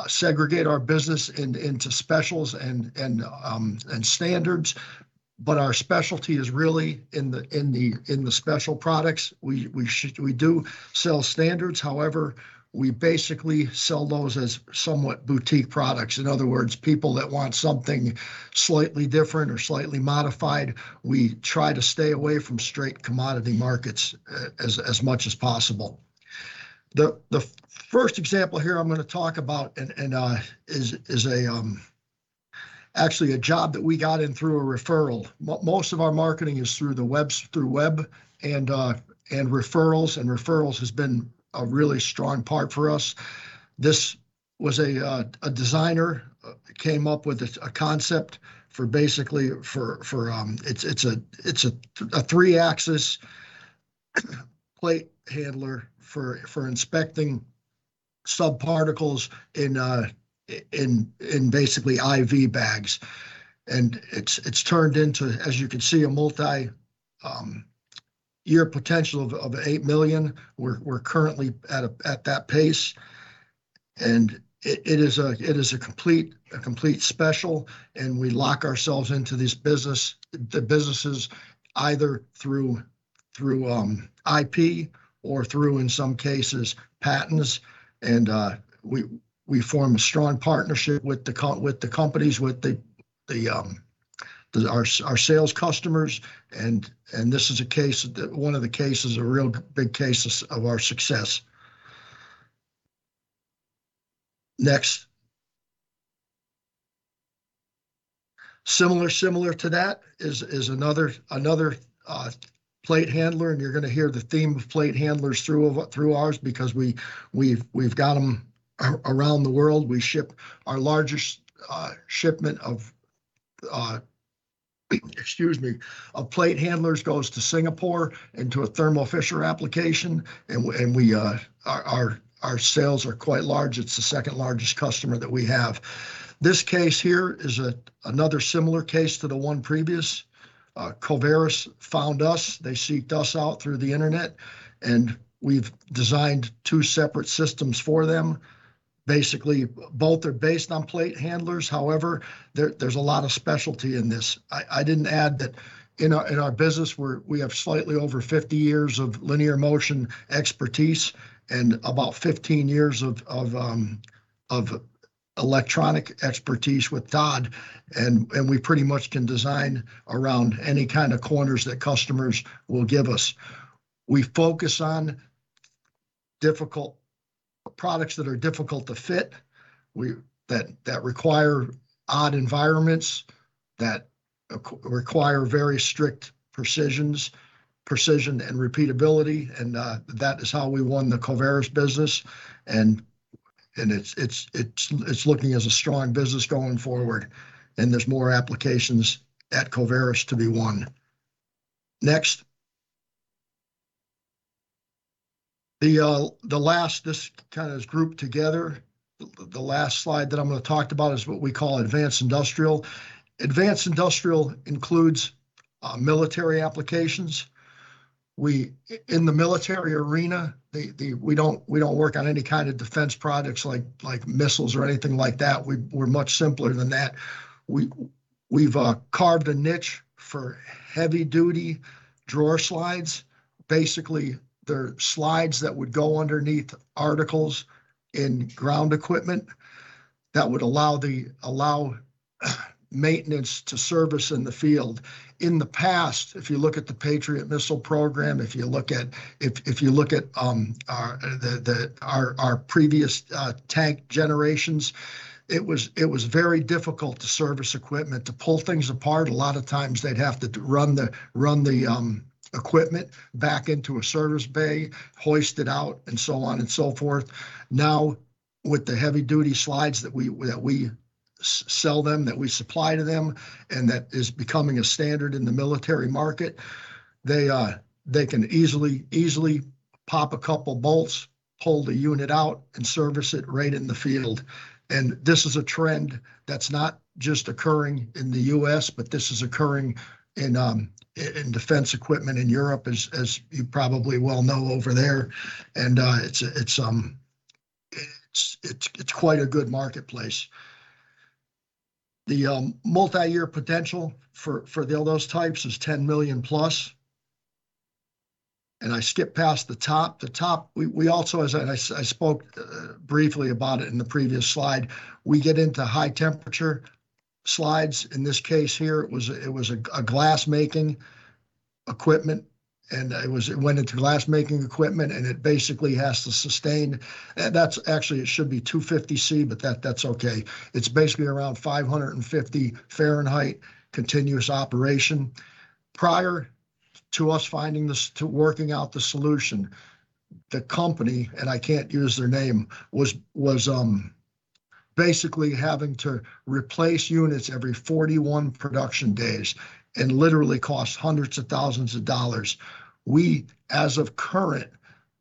segregate our business into specials and standards, but our specialty is really in the special products. We do sell standards however, we basically sell those as somewhat boutique products. In other words, people that want something slightly different or slightly modified. We try to stay away from straight commodity markets as much as possible. The first example here I'm gonna talk about is actually a job that we got in through a referral. Most of our marketing is through the web, through web and referrals, and referrals has been a really strong part for us. This was a designer came up with a concept for basically for. It's a three-axis plate handler for inspecting subparticles in basically IV bags. It's turned into, as you can see, a multi-year potential of 8 million. We're currently at that pace, and it is a complete special, and we lock ourselves into this business. The business is either through IP or through, in some cases, patents. We form a strong partnership with the companies, with our sales customers. This is a case that one of the cases, a real big case of our success. Next. Similar to that is another plate handler, and you're gonna hear the theme of plate handlers through ours because we've got them around the world. We ship our largest shipment of plate handlers goes to Singapore into a Thermo Fisher application. And our sales are quite large. It's the second-largest customer that we have. This case here is another similar case to the one previous. Covaris found us. They sought us out through the internet, and we've designed two separate systems for them. Basically, both are based on plate handlers. However, there's a lot of specialty in this. I didn't add that in our business, we have slightly over 50 years of linear motion expertise and about 15 years of electronic expertise with Todd, and we pretty much can design around any kind of corners that customers will give us. We focus on products that are difficult to fit that require odd environments, that require very strict precision and repeatability, and that is how we won the Covaris business. It's looking as a strong business going forward, and there's more applications at Covaris to be won. Next. The last, this kind is grouped together, the last slide that I'm gonna talk about is what we call advanced industrial. Advanced industrial includes military applications. In the military arena we don't work on any kind of defense products like missiles or anything like that. We're much simpler than that. We've carved a niche for heavy-duty drawer slides. Basically, they're slides that would go underneath artillery in ground equipment that would allow maintenance to service in the field. In the past, if you look at the Patriot missile program, if you look at our previous tank generations, it was very difficult to service equipment. To pull things apart, a lot of times they'd have to run the equipment back into a service bay hoist it out, and so on and so forth. Now with the heavy-duty slides that we supply to them, and that is becoming a standard in the military market, they can easily pop a couple bolts, pull the unit out, and service it right in the field. This is a trend that's not just occurring in the U.S., but this is occurring in defense equipment in Europe, as you probably well know over there. It's quite a good marketplace. The multi-year potential for those types is 10 million+. I skipped past the top. The top, we also, as I spoke briefly about it in the previous slide, we get into high-temperature slides. In this case here it was a glass-making equipment, and it went into glass-making equipment, and it basically has to sustain. That's actually it should be 250 degrees Celsius, but that's okay. It's basically around 550 degrees Fahrenheit continuous operation. Prior to us working out the solution, the company, and I can't use their name, was basically having to replace units every 41 production days, and literally cost hundreds of thousands of dollars. We, as of current,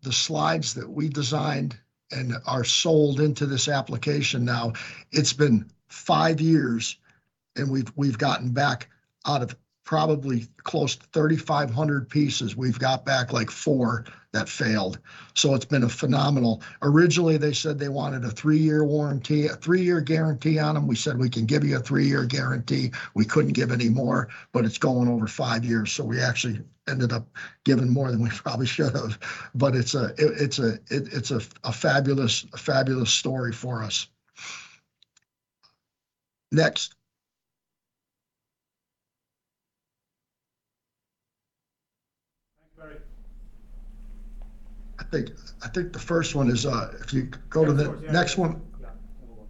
the slides that we designed and are sold into this application now, it's been five years and we've gotten back out of probably close to 3,500 pieces, we've got back like four that failed. It's been a phenomenal. Originally, they said they wanted a three-years warranty, a three-years guarantee on them. We said, "We can give you a three-years guarantee." We couldn't give any more, but it's gone over five-years. We actually ended up giving more than we probably should have. It's a fabulous story for us. Next. Thank you, Barry. I think the first one is, if you go to the Yeah, of course. Yeah Next one. Yeah. Other one.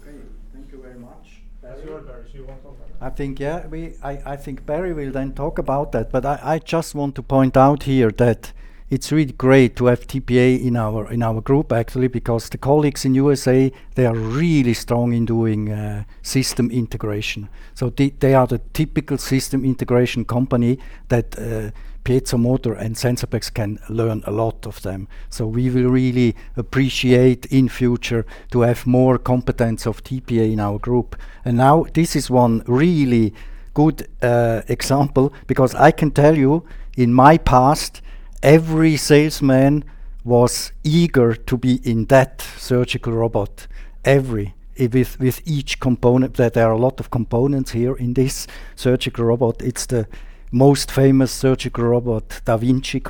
Okay. Thank you very much. Barry? It's your turn. Do you want to talk about it? I think yeah I think Barry will then talk about that, but I just want to point out here that it's really great to have TPA in our group actually, because the colleagues in USA, they are really strong in doing system integration. So they are the typical system integration company that PiezoMotor and Sensapex can learn a lot from them. So we will really appreciate in future to have more competence of TPA in our group. Now, this is one really good example because I can tell you in my past every salesman was eager to be in that surgical robot. Every. With each component. There are a lot of components here in this surgical robot. It's the most famous surgical robot, called da Vinci,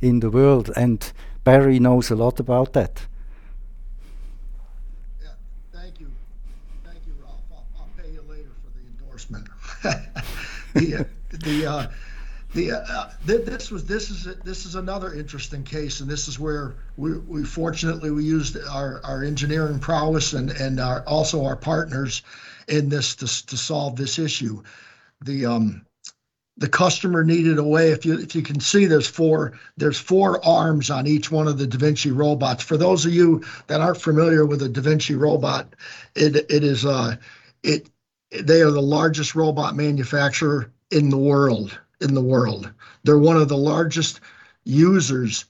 in the world, and Barry knows a lot about that. Yeah Thank you Thank you, Rolf. I'll pay you later for the endorsement. This is another interesting case, and this is where we fortunately used our engineering prowess and our partners in this to solve this issue. The customer needed a way. If you can see, there's four arms on each one of the da Vinci robots. For those of you that aren't familiar with a da Vinci robot it is they are the largest robot manufacturer in the world. They're one of the largest users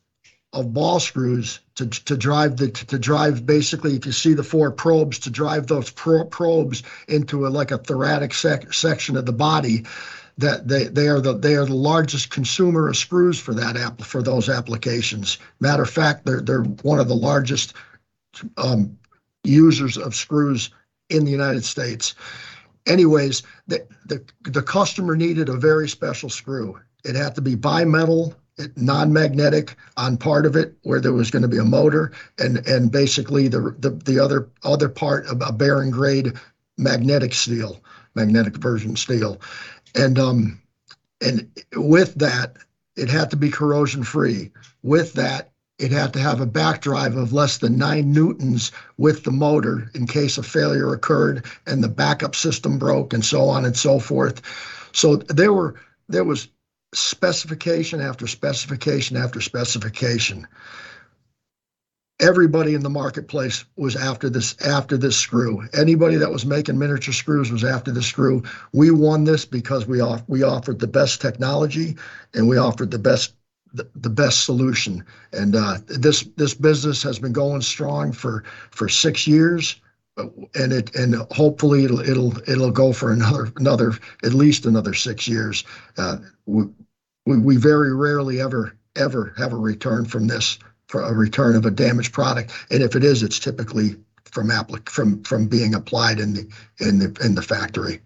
of ball screws to drive basically, if you see the four probes, to drive those probes into a like a thoracic section of the body that they are the largest consumer of screws for those applications. Matter of fact they're one of the largest users of screws in the United States. Anyways, the customer needed a very special screw. It had to be bi-metal, non-magnetic on part of it where there was gonna be a motor and basically the other part a bearing grade magnetic steel, magnetic version steel. With that, it had to be corrosion-free. It had to have a back drive of less than nine newtons with the motor in case a failure occurred and the backup system broke and so on and so forth. There were specification after specification after specification. Everybody in the marketplace was after this screw. Anybody that was making miniature screws was after this screw. We won this because we offered the best technology, and we offered the best solution. This business has been going strong for six years, and hopefully it'll go for at least another six years. We very rarely ever have a return from this for a return of a damaged product, and if it is, it's typically from being applied in the factory.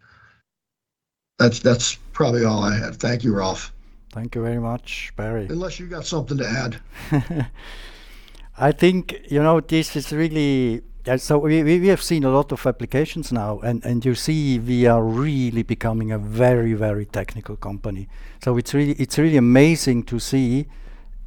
That's probably all I have. Thank you, Rolf. Thank you very much, Barry. Unless you got something to add. I think you know this is really. We have seen a lot of applications now and you see we are really becoming a very, very technical company. It's really amazing to see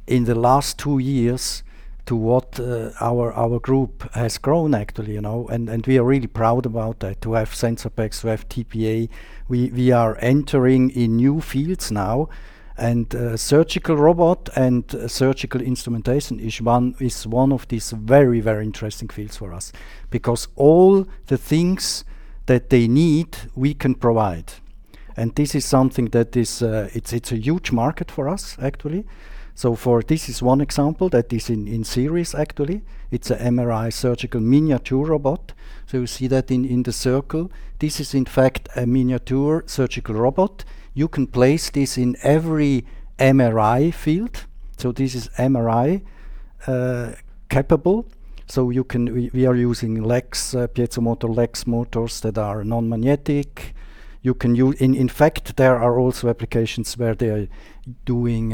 in the last two years to what our group has grown actually, you know, and we are really proud about that, to have Sensapex, to have TPA. We are entering in new fields now, and surgical robot and surgical instrumentation is one of these very, very interesting fields for us because all the things that they need we can provide, and this is something that is, it's a huge market for us actually. For this is one example that is in series actually. It's a MRI surgical miniature robot, so you see that in the circle. This is in fact a miniature surgical robot. You can place this in every MRI field, so this is MRI capable. You can. We are using LEGS, PiezoMotor LEGS motors that are non-magnetic. In fact, there are also applications where they are doing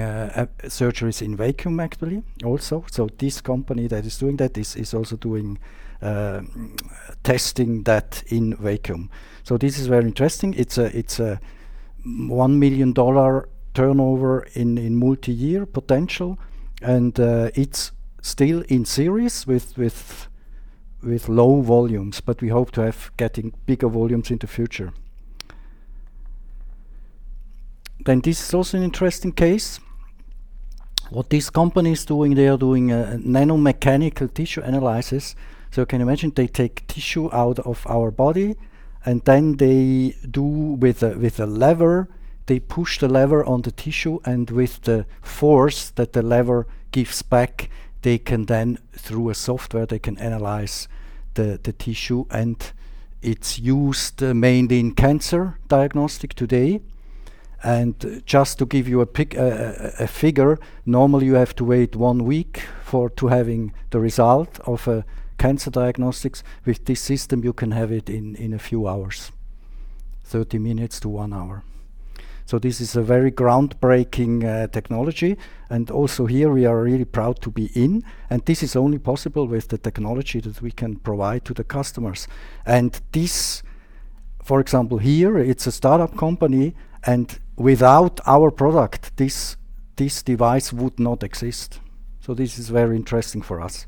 surgeries in vacuum actually also. This company that is doing that is also doing testing that in vacuum. This is very interesting. It's a $1 million turnover in multi-year potential. It's still in series with low volumes, but we hope to have getting bigger volumes in the future. This is also an interesting case. What this company is doing, they are doing a nanomechanical tissue analysis. You can imagine they take tissue out of our body, and then they do with a lever, they push the lever on the tissue, and with the force that the lever gives back, they can then, through a software, analyze the tissue, and it's used mainly in cancer diagnostics today. Just to give you a figure, normally you have to wait one week to having the result of a cancer diagnostics. With this system, you can have it in a few hours, 30 minutes to one hour. This is a very groundbreaking technology, and also here we are really proud to be in, and this is only possible with the technology that we can provide to the customers. This for example here it's a startup company, and without our product, this device would not exist. This is very interesting for us.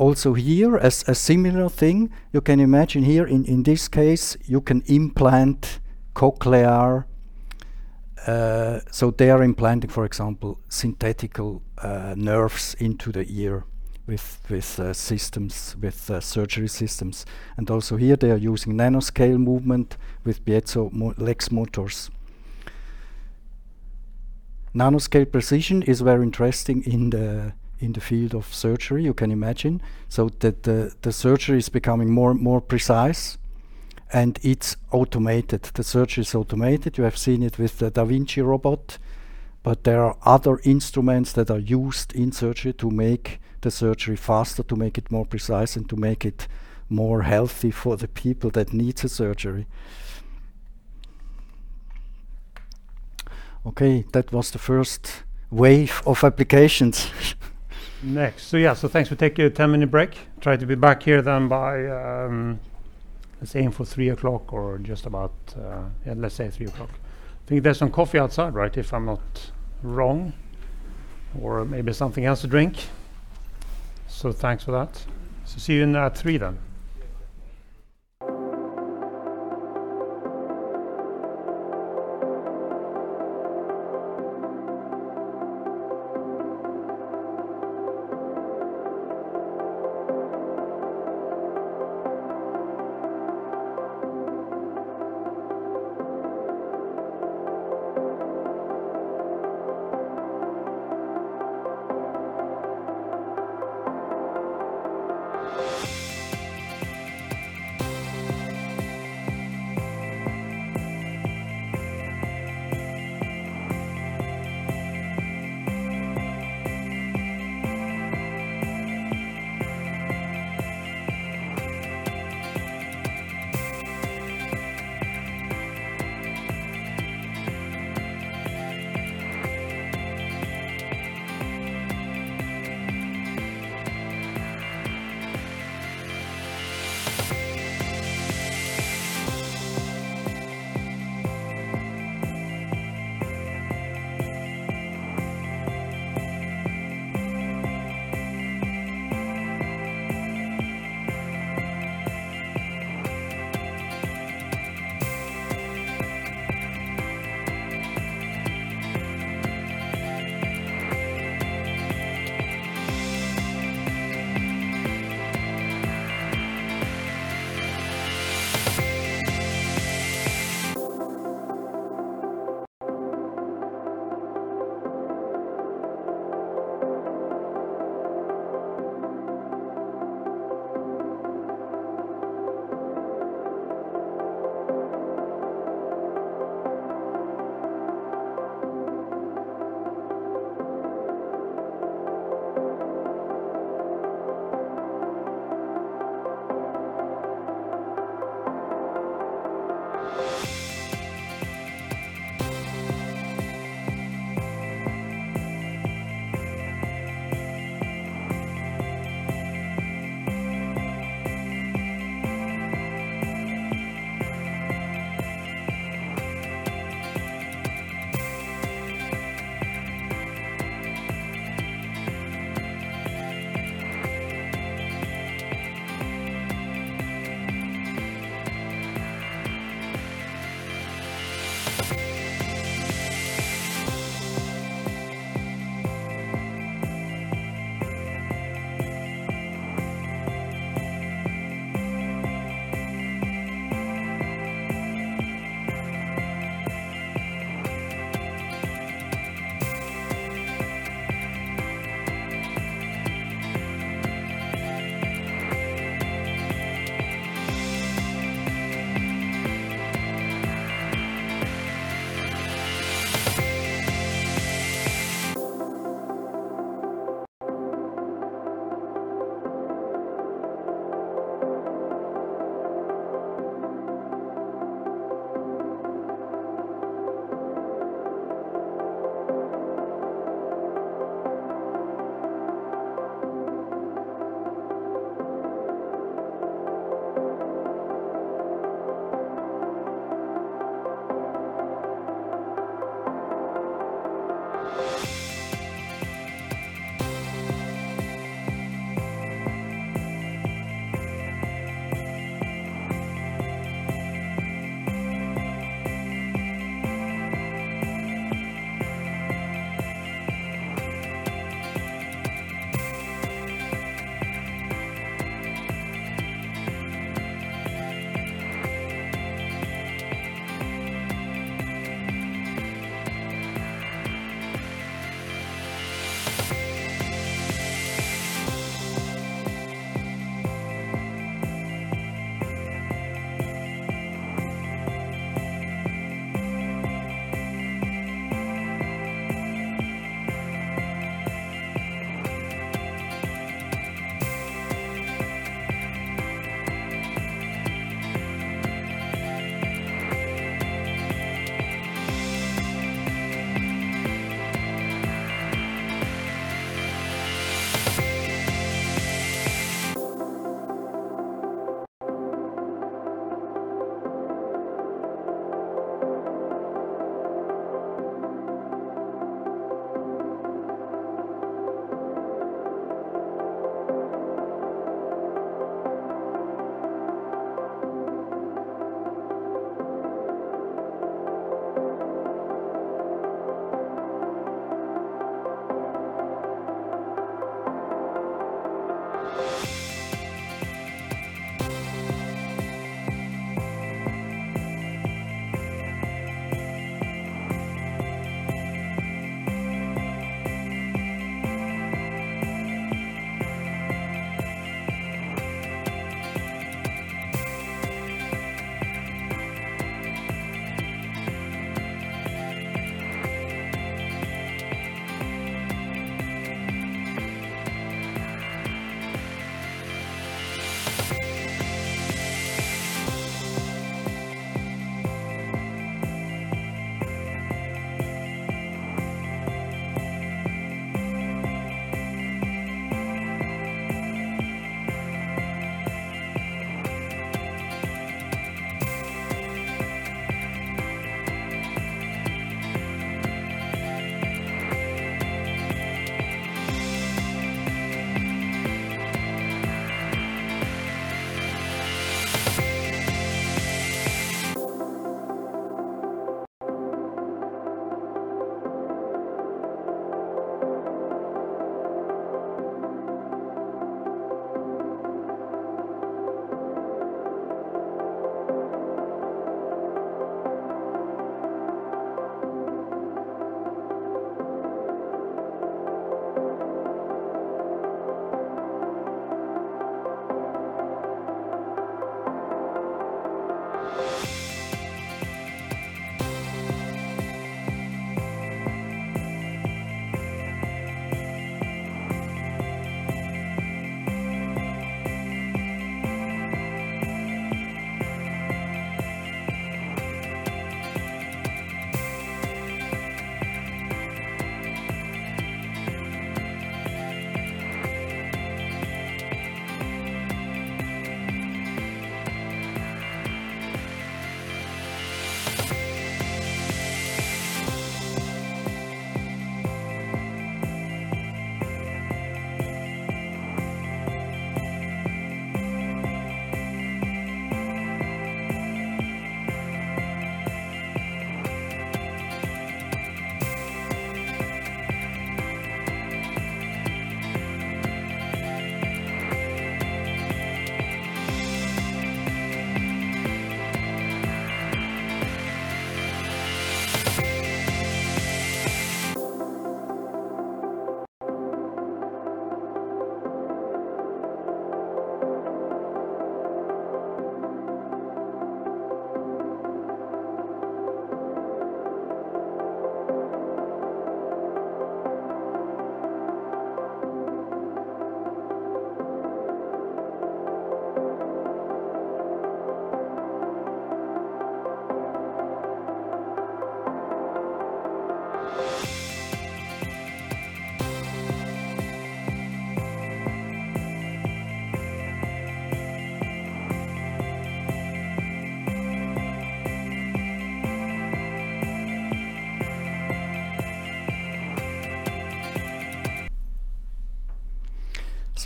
Here, as a similar thing, you can imagine here in this case, you can implant cochlear implants, so they are implanting, for example, synthetic nerves into the ear with surgery systems. Here they are using nanoscale movement with piezomotors. Nanoscale precision is very interesting in the field of surgery you can imagine so the surgery is becoming more and more precise, and it's automated. The surgery is automated. You have seen it with the da Vinci robot, but there are other instruments that are used in surgery to make the surgery faster, to make it more precise, and to make it more healthy for the people that needs a surgery. Okay, that was the first wave of applications. Next Yeah Thanks for taking a 10-minutes break. Try to be back here then by, let's aim for 3:00 P.M. or just about yeah, let's say 3:00 P.M. I think there's some coffee outside, right? If I'm not wrong, or maybe something else to drink. Thanks for that. See you at 3:00 P.M. then.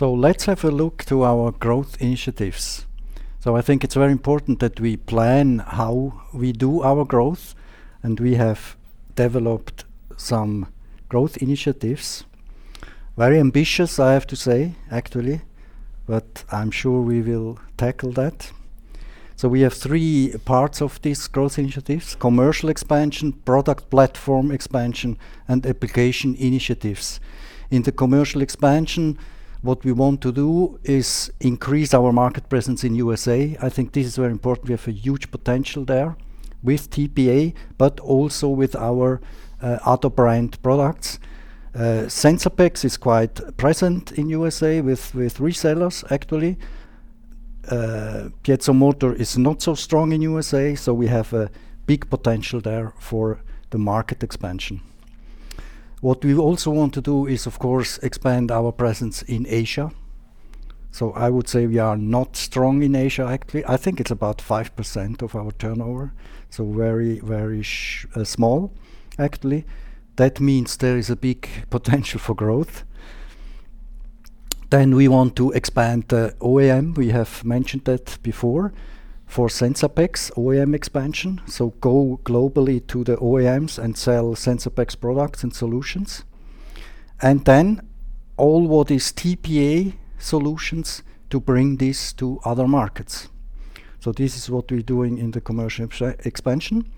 Let's have a look to our growth initiatives. I think it's very important that we plan how we do our growth, and we have developed some growth initiatives. Very ambitious, I have to say actually but I'm sure we will tackle that. We have three parts of these growth initiatives: commercial expansion, product platform expansion, and application initiatives. In the commercial expansion, what we want to do is increase our market presence in USA. I think this is very important. We have a huge potential there with TPA, but also with our other brand products. Sensapex is quite present in USA with resellers actually. PiezoMotor is not so strong in USA, so we have a big potential there for the market expansion. What we also want to do is, of course expand our presence in Asia. I would say we are not strong in Asia, actually. I think it's about 5% of our turnover, so very very small actually. That means there is a big potential for growth. We want to expand the OEM, we have mentioned that before, for Sensapex OEM expansion. Go globally to the OEMs and sell Sensapex products and solutions. All what is TPA Motion solutions to bring this to other markets. This is what we're doing in the commercial expansion.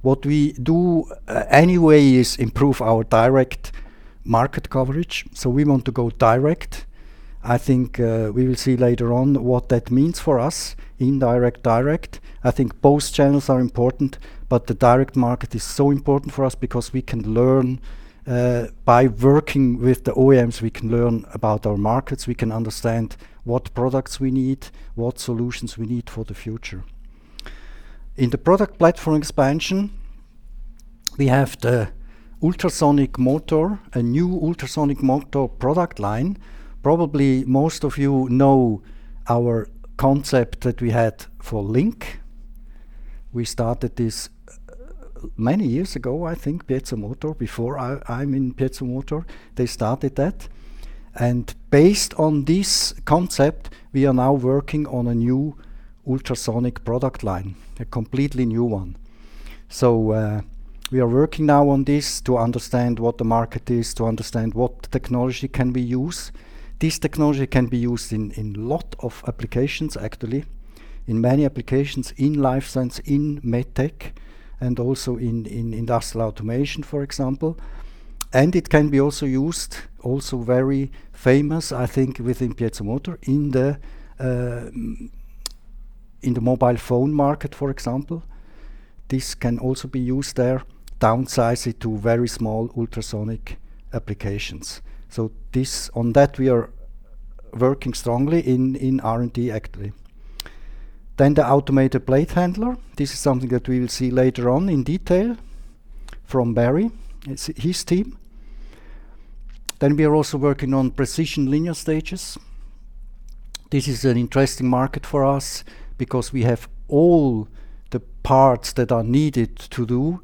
What we do anyway is improve our direct market coverage. We want to go direct. I think, we will see later on what that means for us indirect direct. I think both channels are important, but the direct market is so important for us because we can learn by working with the OEMs, we can learn about our markets, we can understand what products we need, what solutions we need for the future. In the product platform expansion, we have the ultrasonic motor, a new ultrasonic motor product line. Probably most of you know our concept that we had for Link. We started this many years ago, I think PiezoMotor, before I'm in PiezoMotor, they started that. Based on this concept, we are now working on a new ultrasonic product line, a completely new one. We are working now on this to understand what the market is, to understand what technology can we use. This technology can be used in a lot of applications actually, in many applications in life science, in MedTech, and also in industrial automation, for example. It can be also used, also very famous, I think, within PiezoMotor in the mobile phone market, for example. This can also be used there, downsized to very small ultrasonic applications. On that we are working strongly in R&D actually. The automated plate handler. This is something that we will see later on in detail from Barry, it's his team. We are also working on precision linear stages. This is an interesting market for us because we have all the parts that are needed to do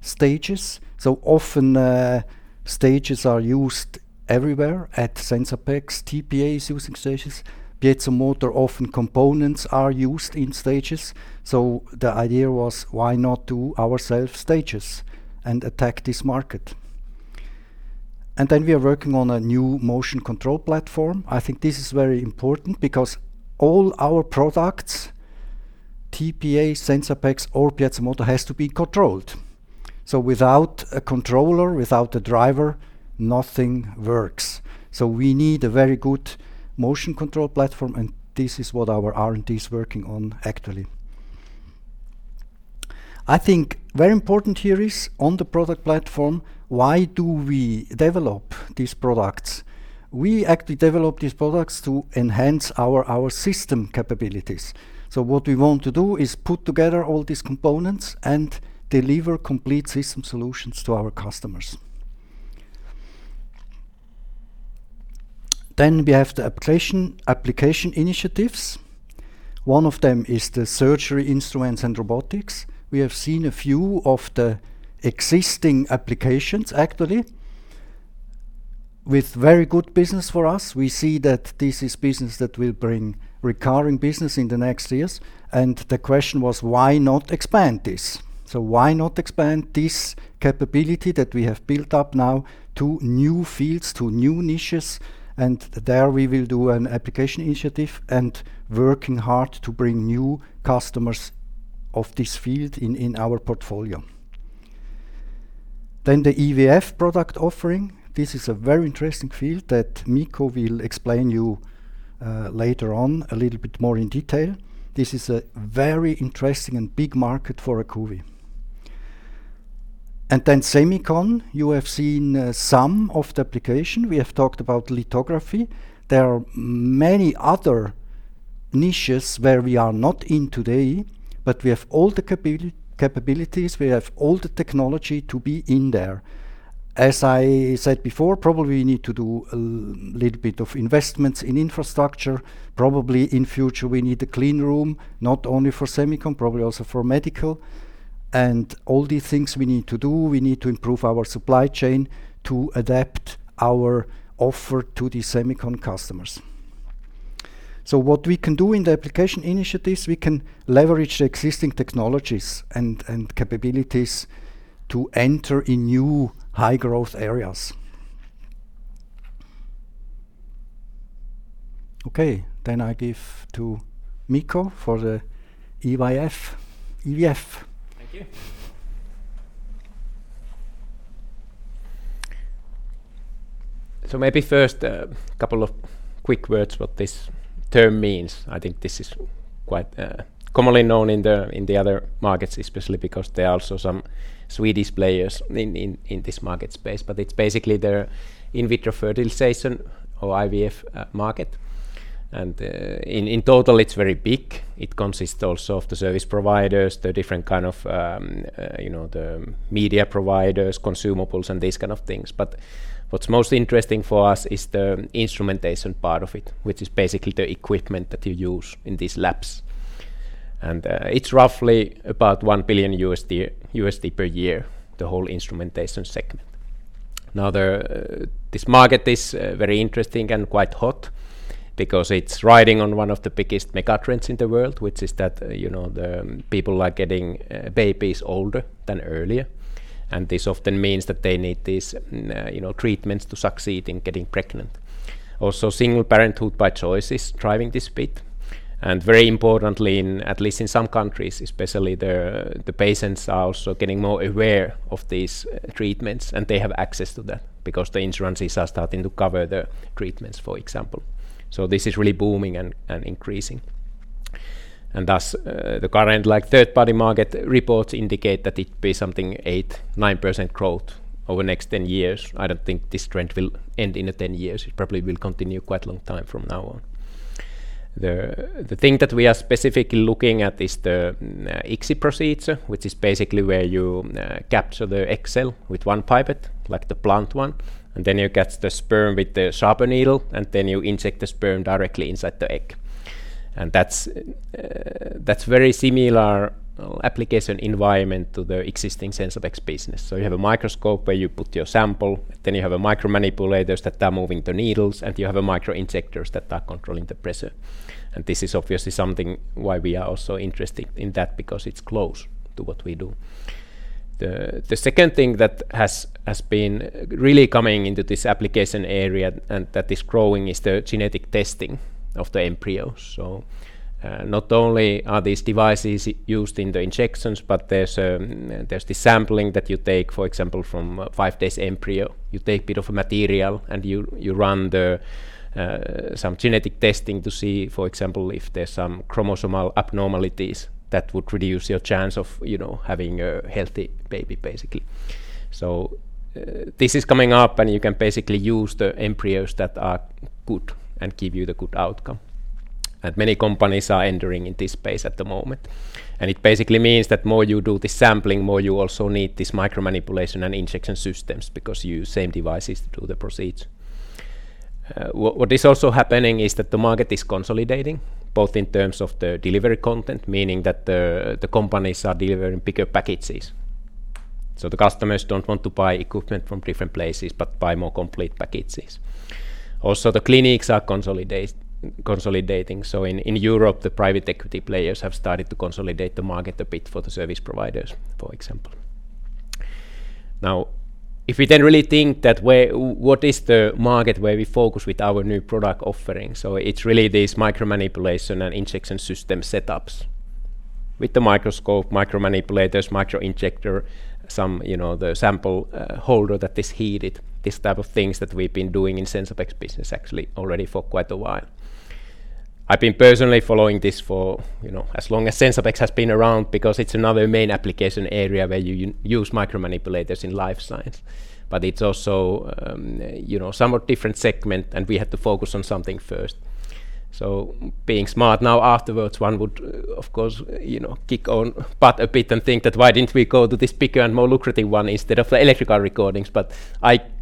stages. Often stages are used everywhere at Sensapex, TPA is using stages. PiezoMotor often components are used in stages. The idea was why not do ourselves stages and attack this market. We are working on a new motion control platform. I think this is very important because all our products, TPA, Sensapex or PiezoMotor has to be controlled. Without a controller without a driver nothing works. We need a very good motion control platform, and this is what our R&D is working on actually. I think very important here is on the product platform why do we develop these products? We actually develop these products to enhance our system capabilities. What we want to do is put together all these components and deliver complete system solutions to our customers. We have the application initiatives. One of them is the surgery instruments and robotics. We have seen a few of the existing applications actually with very good business for us. We see that this is business that will bring recurring business in the next years. The question was why not expand this? Why not expand this capability that we have built up now to new fields, to new niches, and there we will do an application initiative and working hard to bring new customers of this field in our portfolio. The EVF product offering. This is a very interesting field that Mikko will explain to you later on a little bit more in detail. This is a very interesting and big market for Acuvi. Semicon, you have seen some of the application. We have talked about lithography. There are many other niches where we are not in today, but we have all the capabilities, we have all the technology to be in there. As I said before probably we need to do a little bit of investments in infrastructure. Probably in future, we need a cleanroom not only for semicon, probably also for medical. All these things we need to do, we need to improve our supply chain to adapt our offer to the semicon customers. What we can do in the application initiatives, we can leverage the existing technologies and capabilities to enter in new high growth areas. Okay. I give to Mikko for the EVF. Thank you Maybe first, a couple of quick words what this term means. I think this is quite commonly known in the other markets, especially because there are also some Swedish players in this market space. It's basically their in vitro fertilization or IVF market. In total, it's very big. It consists also of the service providers, the different kind of you know, the media providers, consumables, and these kind of things. What's most interesting for us is the instrumentation part of it, which is basically the equipment that you use in these labs. It's roughly about $1 billion per year, the whole instrumentation segment. Now this market is very interesting and quite hot because it's riding on one of the biggest mega trends in the world, which is that, you know, the people are getting babies older than earlier. This often means that they need these, you know, treatments to succeed in getting pregnant. Also, single parenthood by choice is driving this bit. Very importantly in, at least in some countries especially, the patients are also getting more aware of these treatments, and they have access to that because the insurances are starting to cover the treatments, for example. So this is really booming and increasing. Thus, the current, like, third-party market reports indicate that it be something 8%-9% growth over next 10 years. I don't think this trend will end in the 10 years. It probably will continue quite a long time from now on. The thing that we are specifically looking at is the ICSI procedure, which is basically where you capture the egg cell with one pipette, like the blunt one, and then you catch the sperm with the sharper needle, and then you inject the sperm directly inside the egg. That's very similar application environment to the existing Sensapex business. You have a microscope where you put your sample, then you have micromanipulators that are moving the needles, and you have microinjectors that are controlling the pressure. This is obviously something why we are also interested in that, because it's close to what we do. The second thing that has been really coming into this application area and that is growing is the genetic testing of the embryo. Not only are these devices used in the injections, but there's the sampling that you take, for example, from five day embryo. You take bit of material, and you run some genetic testing to see, for example, if there's some chromosomal abnormalities that would reduce your chance of, you know, having a healthy baby, basically. This is coming up, and you can basically use the embryos that are good and give you the good outcome. Many companies are entering in this space at the moment. It basically means that more you do the sampling, more you also need this micromanipulation and injection systems because you use same devices to do the procedure. What is also happening is that the market is consolidating both in terms of the delivery content, meaning that the companies are delivering bigger packages. The customers don't want to buy equipment from different places, but buy more complete packages. Also, the clinics are consolidating. In Europe, the private equity players have started to consolidate the market a bit for the service providers, for example. Now, if we then really think that what is the market where we focus with our new product offerings, it's really these micromanipulation and injection system setups with the microscope, micromanipulators, microinjector, some you know the sample holder that is heated, these type of things that we've been doing in Sensapex business actually already for quite a while. I've been personally following this for, you know, as long as Sensapex has been around because it's another main application area where you use micromanipulators in life science. It's also, you know, somewhat different segment, and we had to focus on something first. Being smart now afterwards, one would of course, you know, kick own butt a bit and think that why didn't we go to this bigger and more lucrative one instead of the electrical recordings?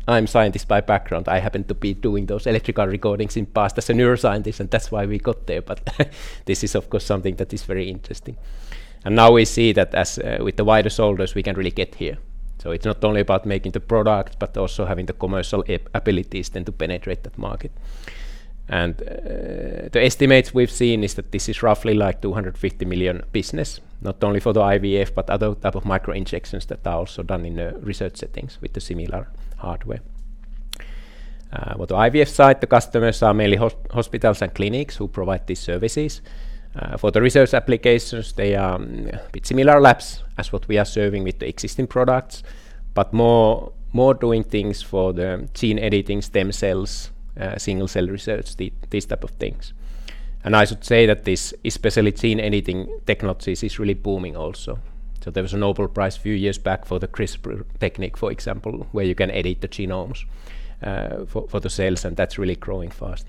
I'm scientist by background. I happen to be doing those electrical recordings in past as a neuroscientist, and that's why we got there. This is of course something that is very interesting. Now we see that as, with the wider shoulders, we can really get here. It's not only about making the product, but also having the commercial abilities then to penetrate that market. The estimates we've seen is that this is roughly like 250 million business, not only for the IVF, but other type of micro injections that are also done in the research settings with the similar hardware. With the IVF side, the customers are mainly hospitals and clinics who provide these services. For the research applications, they are bit similar labs as what we are serving with the existing products, but more doing things for the gene editing stem cells, single cell research, these type of things. I should say that this, especially gene editing technologies, is really booming also. There was a Nobel Prize a few years back for the CRISPR technique, for example, where you can edit the genomes for the cells, and that's really growing fast.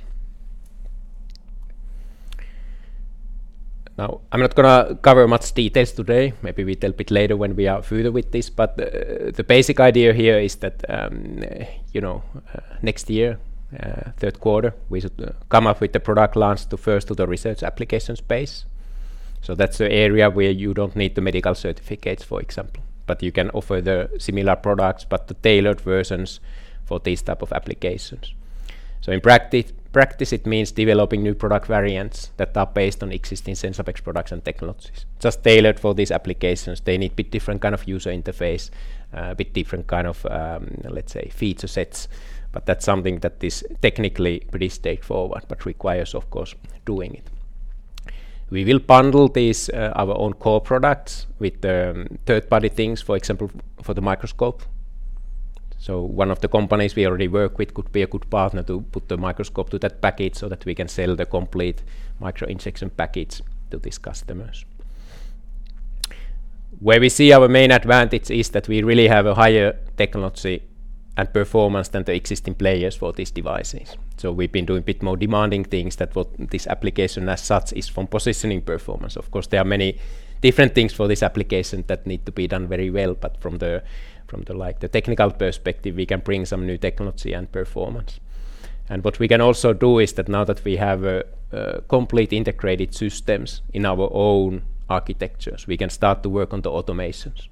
Now, I'm not gonna cover much details today. Maybe we tell bit later when we are further with this. The basic idea here is that, you know next year third quarter, we should come up with the product launch to first do the research application space. That's the area where you don't need the medical certificates, for example. You can offer the similar products, but the tailored versions for these type of applications. In practice, it means developing new product variants that are based on existing Sensapex products and technologies. Just tailored for these applications. They need bit different kind of user interface, bit different kind of, let's say, feature sets. That's something that is technically pretty straightforward but requires, of course doing it. We will bundle these, our own core products with third-party things, for example, for the microscope. One of the companies we already work with could be a good partner to put the microscope to that package so that we can sell the complete microinjection package to these customers. Where we see our main advantage is that we really have a higher technology and performance than the existing players for these devices. We've been doing a bit more demanding things than what this application as such is from positioning performance. Of course there are many different things for this application that need to be done very well. From the like, the technical perspective, we can bring some new technology and performance. What we can also do is that now that we have complete integrated systems in our own architectures, we can start to work on the automations.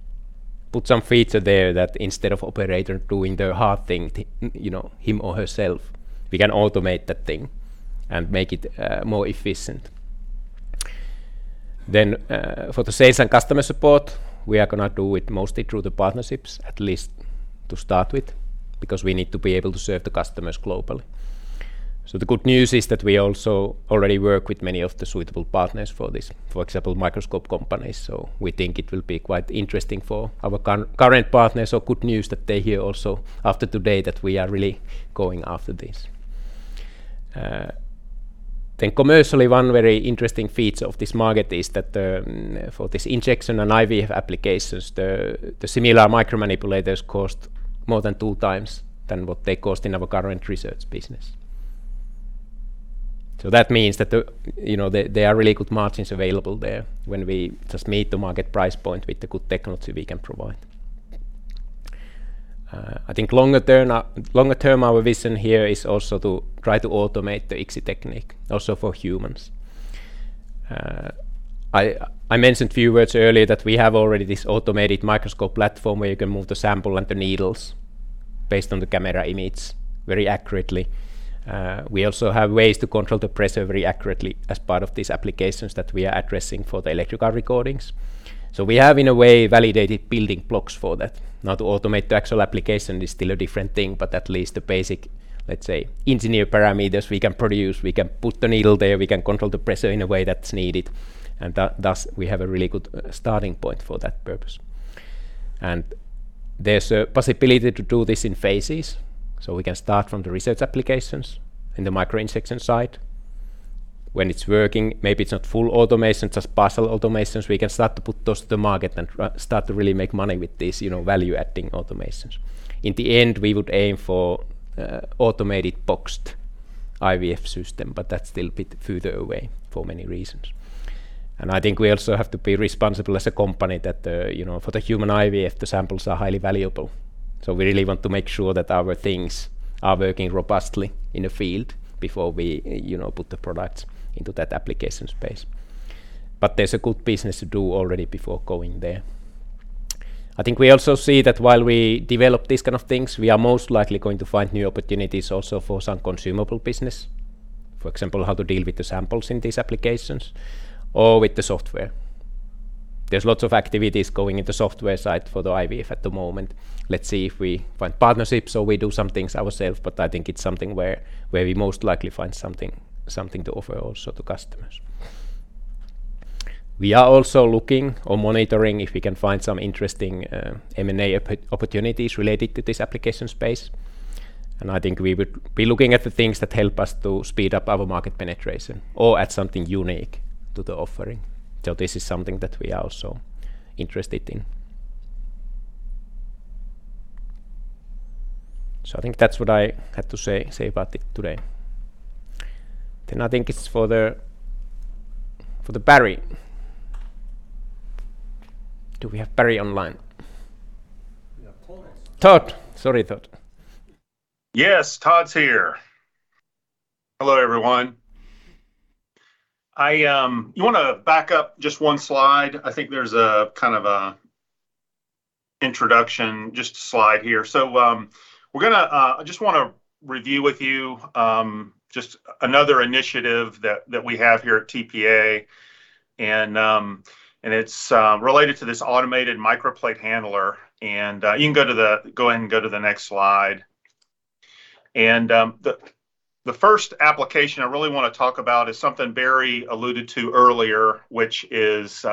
Put some feature there that instead of operator doing the hard thing, you know, him or herself, we can automate that thing and make it more efficient. For the sales and customer support, we are gonna do it mostly through the partnerships, at least to start with because we need to be able to serve the customers globally. The good news is that we also already work with many of the suitable partners for this for example microscope companies. We think it will be quite interesting for our current partners or good news that they hear also after today that we are really going after this. Commercially, one very interesting feature of this market is that for this injection and IVF applications, the similar micromanipulators cost more than two times than what they cost in our current research business. That means that you know there are really good margins available there when we just meet the market price point with the good technology we can provide. I think longer term our vision here is also to try to automate the ICSI technique, also for humans. I mentioned a few words earlier that we have already this automated microscope platform where you can move the sample and the needles based on the camera image very accurately. We also have ways to control the pressure very accurately as part of these applications that we are addressing for the electrical recordings. We have in a way validated building blocks for that. Now to automate the actual application is still a different thing, but at least the basic, let's say, engineer parameters we can produce, we can put the needle there, we can control the pressure in a way that's needed, and thus, we have a really good starting point for that purpose. There's a possibility to do this in phases. We can start from the research applications in the microinjection side. When it's working, maybe it's not full automation, just partial automations, we can start to put those to the market and start to really make money with this, you know, value-adding automations. In the end, we would aim for automated boxed IVF system, but that's still a bit further away for many reasons. I think we also have to be responsible as a company that, for the human IVF, the samples are highly valuable. We really want to make sure that our things are working robustly in the field before we put the products into that application space. There's a good business to do already before going there. I think we also see that while we develop these kind of things, we are most likely going to find new opportunities also for some consumable business. For example, how to deal with the samples in these applications or with the software. There's lots of activities going in the software side for the IVF at the moment. Let's see if we find partnerships or we do some things ourselves, but I think it's something where we most likely find something to offer also to customers. We are also looking or monitoring if we can find some interesting, M&A opportunities related to this application space. I think we would be looking at the things that help us to speed up our market penetration or add something unique to the offering. This is something that we are also interested in. I think that's what I had to say about it today. I think it's for Barry. Do we have Barry online? We have Todd. Todd. Sorry, Todd. Yes, Todd's here. Hello, everyone. I, you wanna back up just one slide? I think there's a kind of a introduction just slide here. We're gonna, I just wanna review with you, just another initiative that we have here at TPA, and it's related to this automated microplate handler. You can go ahead and go to the next slide. The first application I really wanna talk about is something Barry alluded to earlier, which is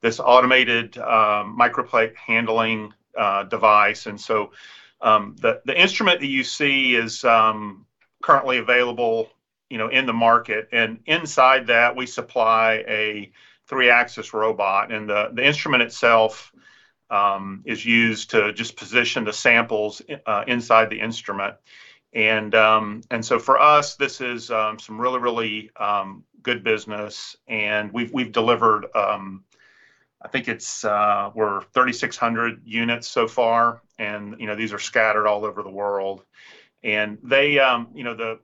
this automated microplate handling device. The instrument that you see is currently available, you know, in the market, and inside that we supply a three-axis robot. The instrument itself is used to just position the samples inside the instrument. For us, this is some really good business. We've delivered 3,600 units so far, you know, these are scattered all over the world. They, you know,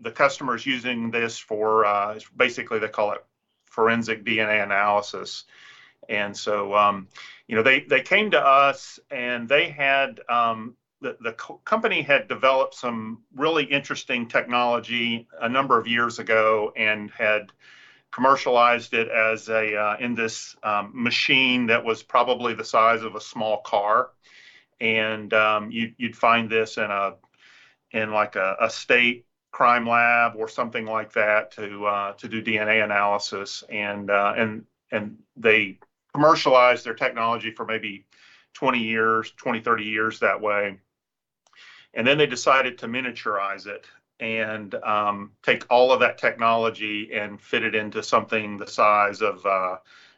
the customer is using this for basically they call it forensic DNA analysis. You know, they came to us, and the company had developed some really interesting technology a number of years ago and had commercialized it as in this machine that was probably the size of a small car. You'd find this in like a state crime lab or something like that to do DNA analysis. They commercialized their technology for maybe 20 to 30 years that way. They decided to miniaturize it and take all of that technology and fit it into something the size of,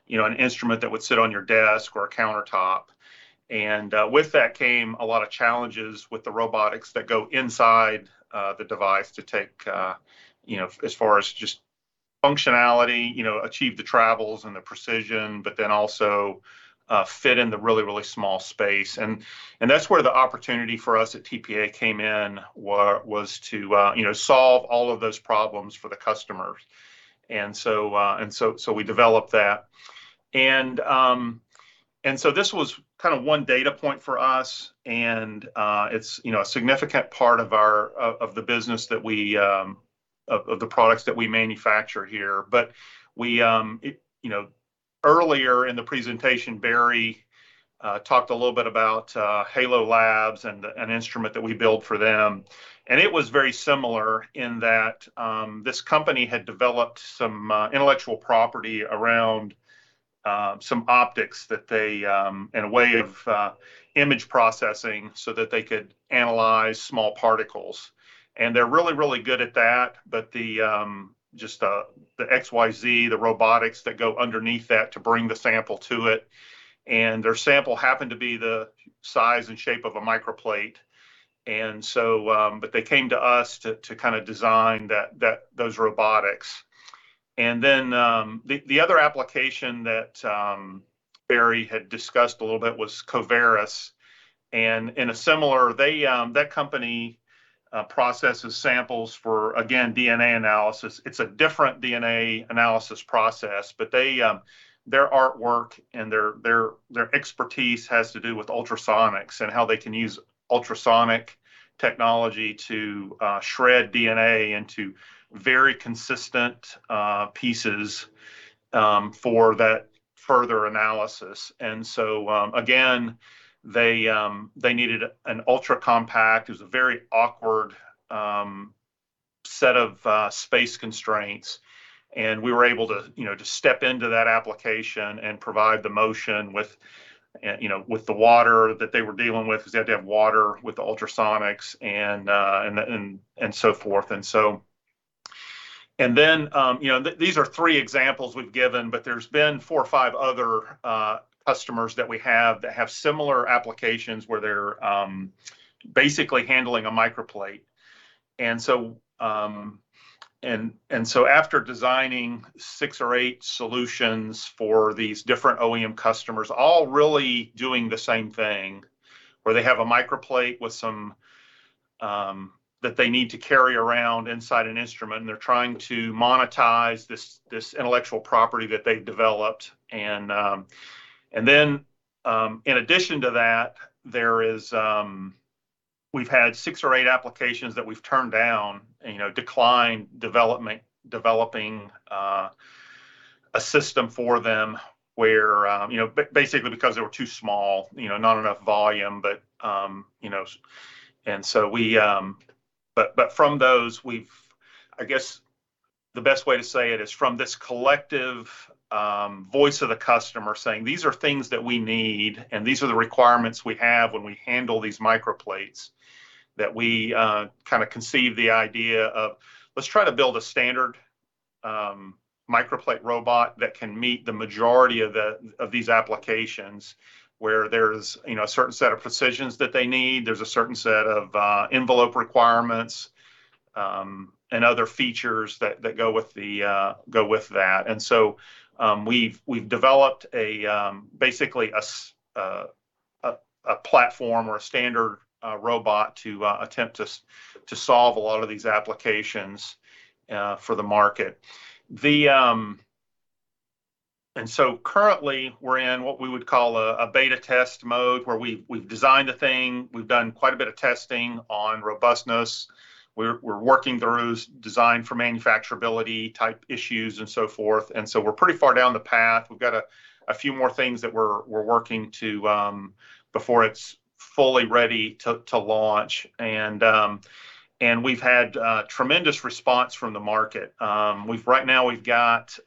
you know, an instrument that would sit on your desk or a countertop. With that came a lot of challenges with the robotics that go inside the device to take you know as far as just functionality, you know, achieve the travels and the precision, but then also fit in the really, really small space. That's where the opportunity for us at TPA came in, was to you know solve all of those problems for the customers. We developed that. This was kind of one data point for us, and it's you know, a significant part of our business that we manufacture here. You know earlier in the presentation, Barry talked a little bit about Halo Labs and an instrument that we built for them. It was very similar in that this company had developed some intellectual property around some optics that they and a way of image processing so that they could analyze small particles. They're really, really good at that but just the XYZ, the robotics that go underneath that to bring the sample to it, and their sample happened to be the size and shape of a microplate. They came to us to kind of design those robotics. The other application that Barry had discussed a little bit was Covaris. In a similar, that company processes samples for, again, DNA analysis. It's a different DNA analysis process, but their artwork and their expertise has to do with ultrasonics and how they can use ultrasonic technology to shred DNA into very consistent pieces for that further analysis. Again, they needed an ultra-compact. It was a very awkward set of space constraints, and we were able to, you know, to step into that application and provide the motion with, you know, with the water that they were dealing with, because they had to have water with the ultrasonics and so forth. These are three examples we've given, but there's been four or five other customers that we have that have similar applications where they're basically handling a microplate. After designing six or eight solutions for these different OEM customers, all really doing the same thing, where they have a microplate with some that they need to carry around inside an instrument, and they're trying to monetize this intellectual property that they've developed. In addition to that, there is we've had six or eight applications that we've turned down and you know declined developing a system for them where, you know, basically because they were too small, you know, not enough volume. From those we've I guess the best way to say it is from this collective voice of the customer saying, "These are things that we need, and these are the requirements we have when we handle these microplates," that we kind of conceived the idea of, "Let's try to build a standard microplate robot that can meet the majority of these applications," where there's, you know a certain set of precisions that they need. There's a certain set of envelope requirements and other features that go with that. We've developed basically a platform or a standard robot to attempt to solve a lot of these applications for the market. Currently, we're in what we would call a beta test mode, where we've designed a thing, we've done quite a bit of testing on robustness. We're working through design for manufacturability-type issues and so forth. We're pretty far down the path. We've got a few more things that we're working to before it's fully ready to launch. We've had tremendous response from the market. Right now we've got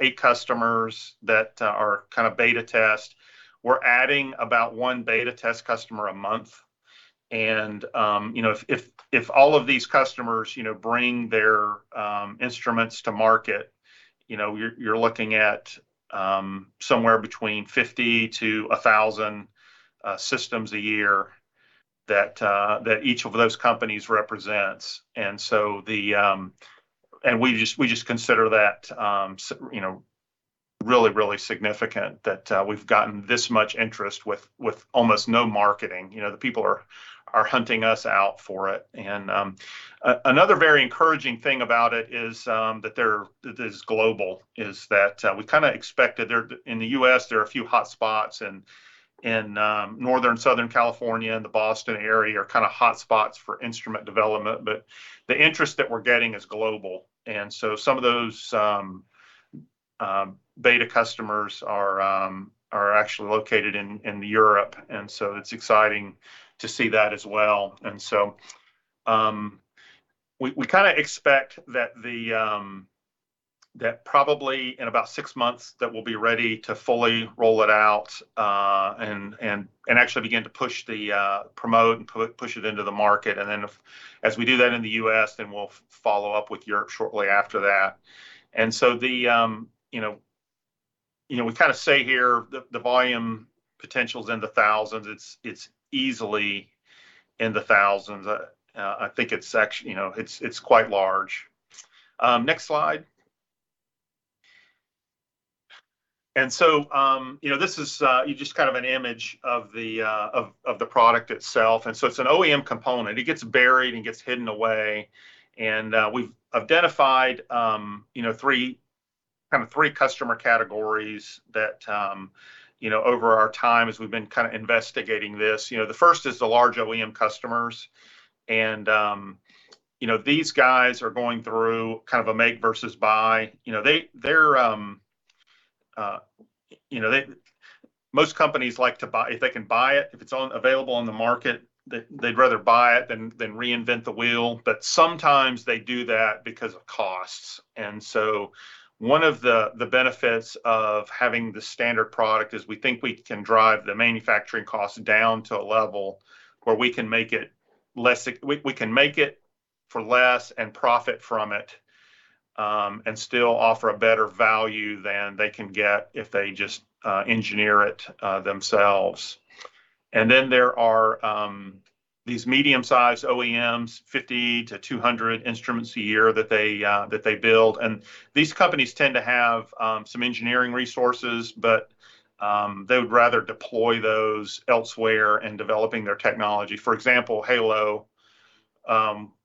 eight customers that are kind of beta test. We're adding about one beta test customer a month. You know, if all of these customers you know, bring their instruments to market, you know, you're looking at somewhere between 50-1,000 systems a year that each of those companies represents. We just consider that you know, really significant that we've gotten this much interest with almost no marketing. You know, the people are hunting us out for it. Another very encouraging thing about it is that it is global, is that we kinda expected. In the U.S., there are a few hotspots and northern, southern California and the Boston area are kinda hotspots for instrument development. The interest that we're getting is global. Some of those beta customers are actually located in Europe. It's exciting to see that as well. We kinda expect that probably in about six months we'll be ready to fully roll it out and actually begin to promote and push it into the market. If, as we do that in the U.S., we'll follow up with Europe shortly after that. You know, we kinda say here the volume potential is in the thousands. It's easily in the thousands. I think it's actually, you know, it's quite large. Next slide. You know, this is just kind of an image of the product itself. It's an OEM component. It gets buried and gets hidden away. We've identified, you know, three, kind of three customer categories that, you know over our time as we've been kind of investigating this. You know, the first is the large OEM customers, and, you know, these guys are going through kind of a make versus buy. You know, most companies like to buy. If they can buy it, if it's available on the market, they'd rather buy it than reinvent the wheel. Sometimes they do that because of costs. One of the benefits of having the standard product is we think we can drive the manufacturing costs down to a level where we can make it for less and profit from it, and still offer a better value than they can get if they just engineer it themselves. There are these medium-sized OEMs, 50-200 instruments a year that they build. These companies tend to have some engineering resources, but they would rather deploy those elsewhere in developing their technology. For example, Halo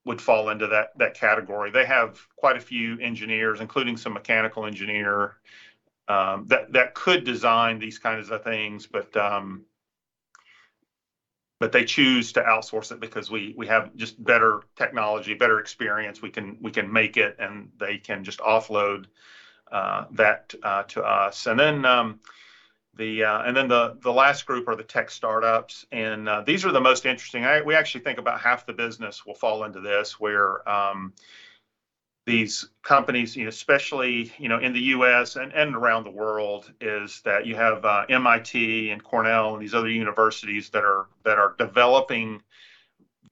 would fall into that category. They have quite a few engineers, including some mechanical engineer that could design these kinds of things, but they choose to outsource it because we have just better technology, better experience. We can make it, and they can just offload that to us. The last group are the tech startups, and these are the most interesting. We actually think about half the business will fall into this, where these companies, especially you know, in the U.S. and around the world, is that you have MIT and Cornell and these other universities that are developing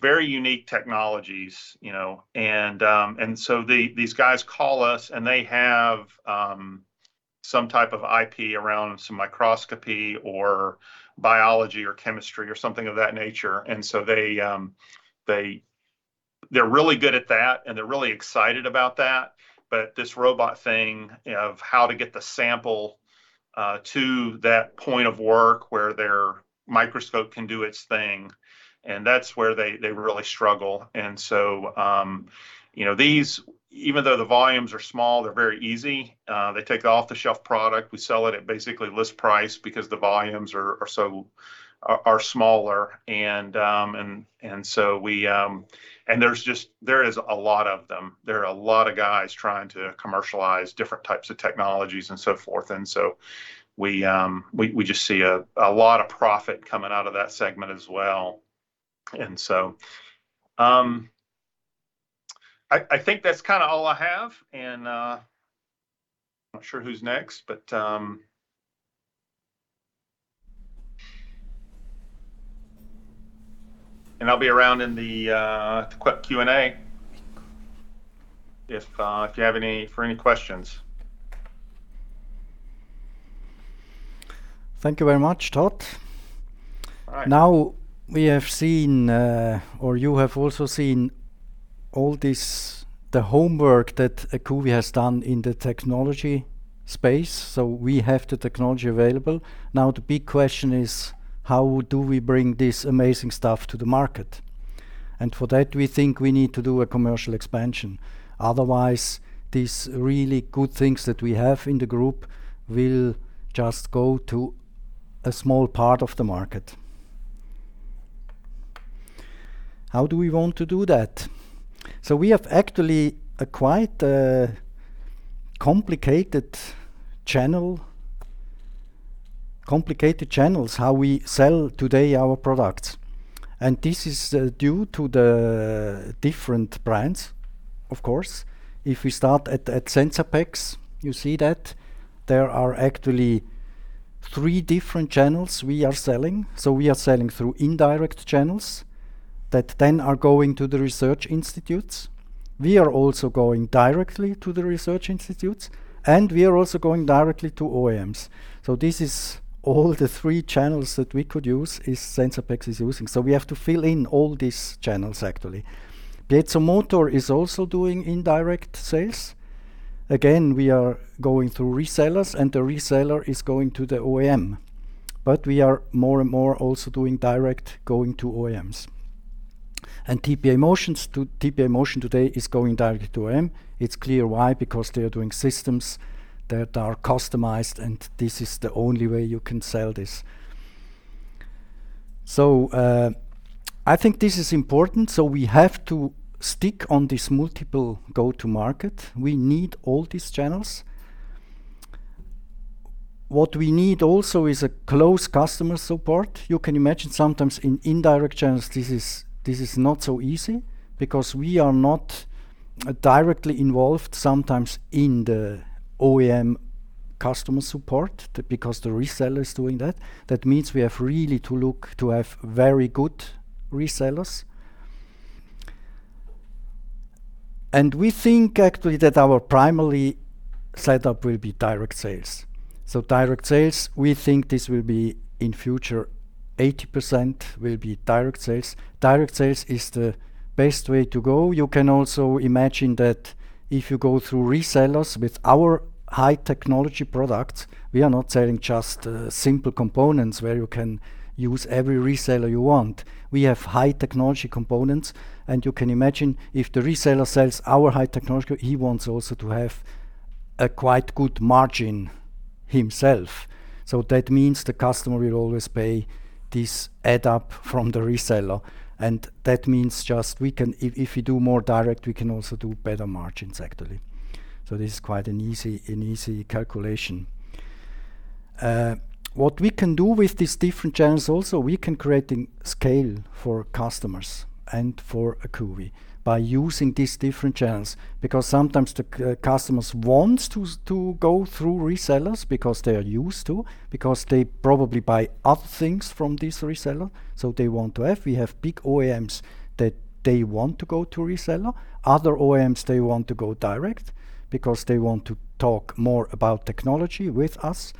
very unique technologies, you know. These guys call us, and they have some type of IP around some microscopy or biology or chemistry or something of that nature. They’re really good at that, and they’re really excited about that. This robot thing of how to get the sample to that point of work where their microscope can do its thing, and that's where they really struggle. You know, these even though the volumes are small, they're very easy. They take the off-the-shelf product. We sell it at basically list price because the volumes are smaller. There is a lot of them. There are a lot of guys trying to commercialize different types of technologies and so forth. We just see a lot of profit coming out of that segment as well. I think that's kinda all I have, and I'm not sure who's next, but. I'll be around in the Q&A if you have any questions. Thank you very much, Todd. All right. Now we have seen, or you have also seen all this, the homework that Acuvi has done in the technology space. We have the technology available. Now, the big question is, how do we bring this amazing stuff to the market? For that, we think we need to do a commercial expansion. Otherwise, these really good things that we have in the group will just go to a small part of the market. How do we want to do that? We have actually a quite complicated channels how we sell today our products. This is due to the different brands, of course. If we start at Sensapex, you see that there are actually three different channels we are selling. We are selling through indirect channels that then are going to the research institutes. We are also going directly to the research institutes, and we are also going directly to OEMs. This is all the three channels that we could use is Sensapex is using. We have to fill in all these channels, actually. PiezoMotor is also doing indirect sales. Again, we are going through resellers, and the reseller is going to the OEM. We are more and more also doing direct going to OEMs. TPA Motion today is going directly to OEM. It's clear why, because they are doing systems that are customized, and this is the only way you can sell this. I think this is important, so we have to stick on this multiple go-to-market. We need all these channels. What we need also is a close customer support. You can imagine sometimes in indirect channels, this is not so easy because we are not directly involved sometimes in the OEM customer support because the reseller is doing that. That means we have really to look to have very good resellers. We think actually that our primary setup will be direct sales. Direct sales, we think this will be in future 80% direct sales. Direct sales is the best way to go. You can also imagine that if you go through resellers with our high technology products, we are not selling just simple components where you can use every reseller you want. We have high technology components, and you can imagine if the reseller sells our high technology, he wants also to have a quite good margin himself. That means the customer will always pay this add up from the reseller, and that means just we can. If we do more direct, we can also do better margins, actually. This is quite an easy calculation. What we can do with these different channels also, we can create in scale for customers and for Acuvi by using these different channels, because sometimes the customers want to go through resellers because they are used to because they probably buy other things from this reseller so they want to have. We have big OEMs that they want to go to reseller. Other OEMs, they want to go direct because they want to talk more about technology with us.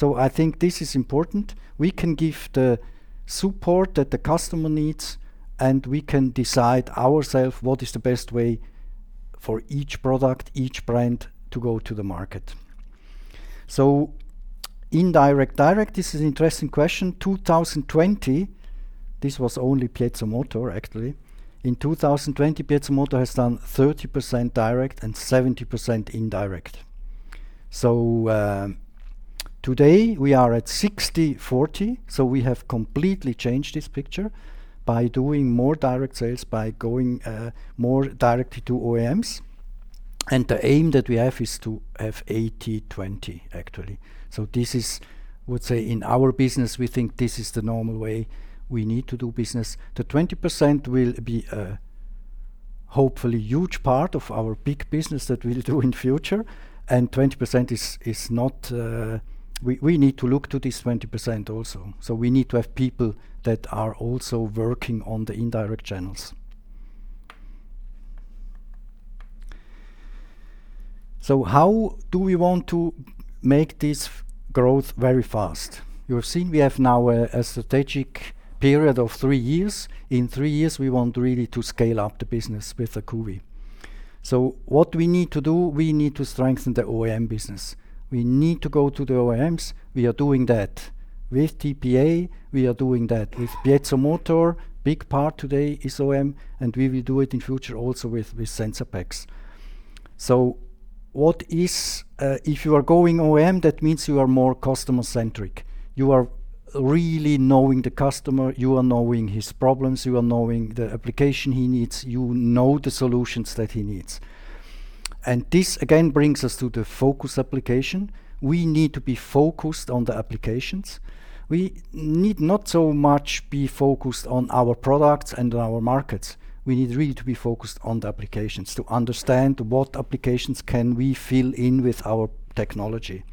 I think this is important. We can give the support that the customer needs, and we can decide ourselves what is the best way for each product, each brand to go to the market. Indirect, direct, this is interesting question. 2020, this was only PiezoMotor actually. In 2020, PiezoMotor has done 30% direct and 70% indirect. Today we are at 60/40, so we have completely changed this picture by doing more direct sales, by going more directly to OEMs. The aim that we have is to have 80/20, actually. This is, I would say, in our business, we think this is the normal way we need to do business. The 20% will be a hopefully huge part of our big business that we'll do in future, and 20% is not. We need to look to this 20% also. We need to have people that are also working on the indirect channels. How do we want to make this growth very fast? You have seen we have now a strategic period of three years. In three years, we want really to scale up the business with Acuvi. What we need to do, we need to strengthen the OEM business. We need to go to the OEMs. We are doing that. With TPA, we are doing that. With PiezoMotor, big part today is OEM, and we will do it in future also with Sensapex. What is if you are going OEM, that means you are more customer-centric. You are really knowing the customer you are knowing his problems, you are knowing the application he needs, you know the solutions that he needs. This again brings us to the focus application. We need to be focused on the applications. We need not so much be focused on our products and our markets. We need really to be focused on the applications, to understand what applications can we fill in with our technology.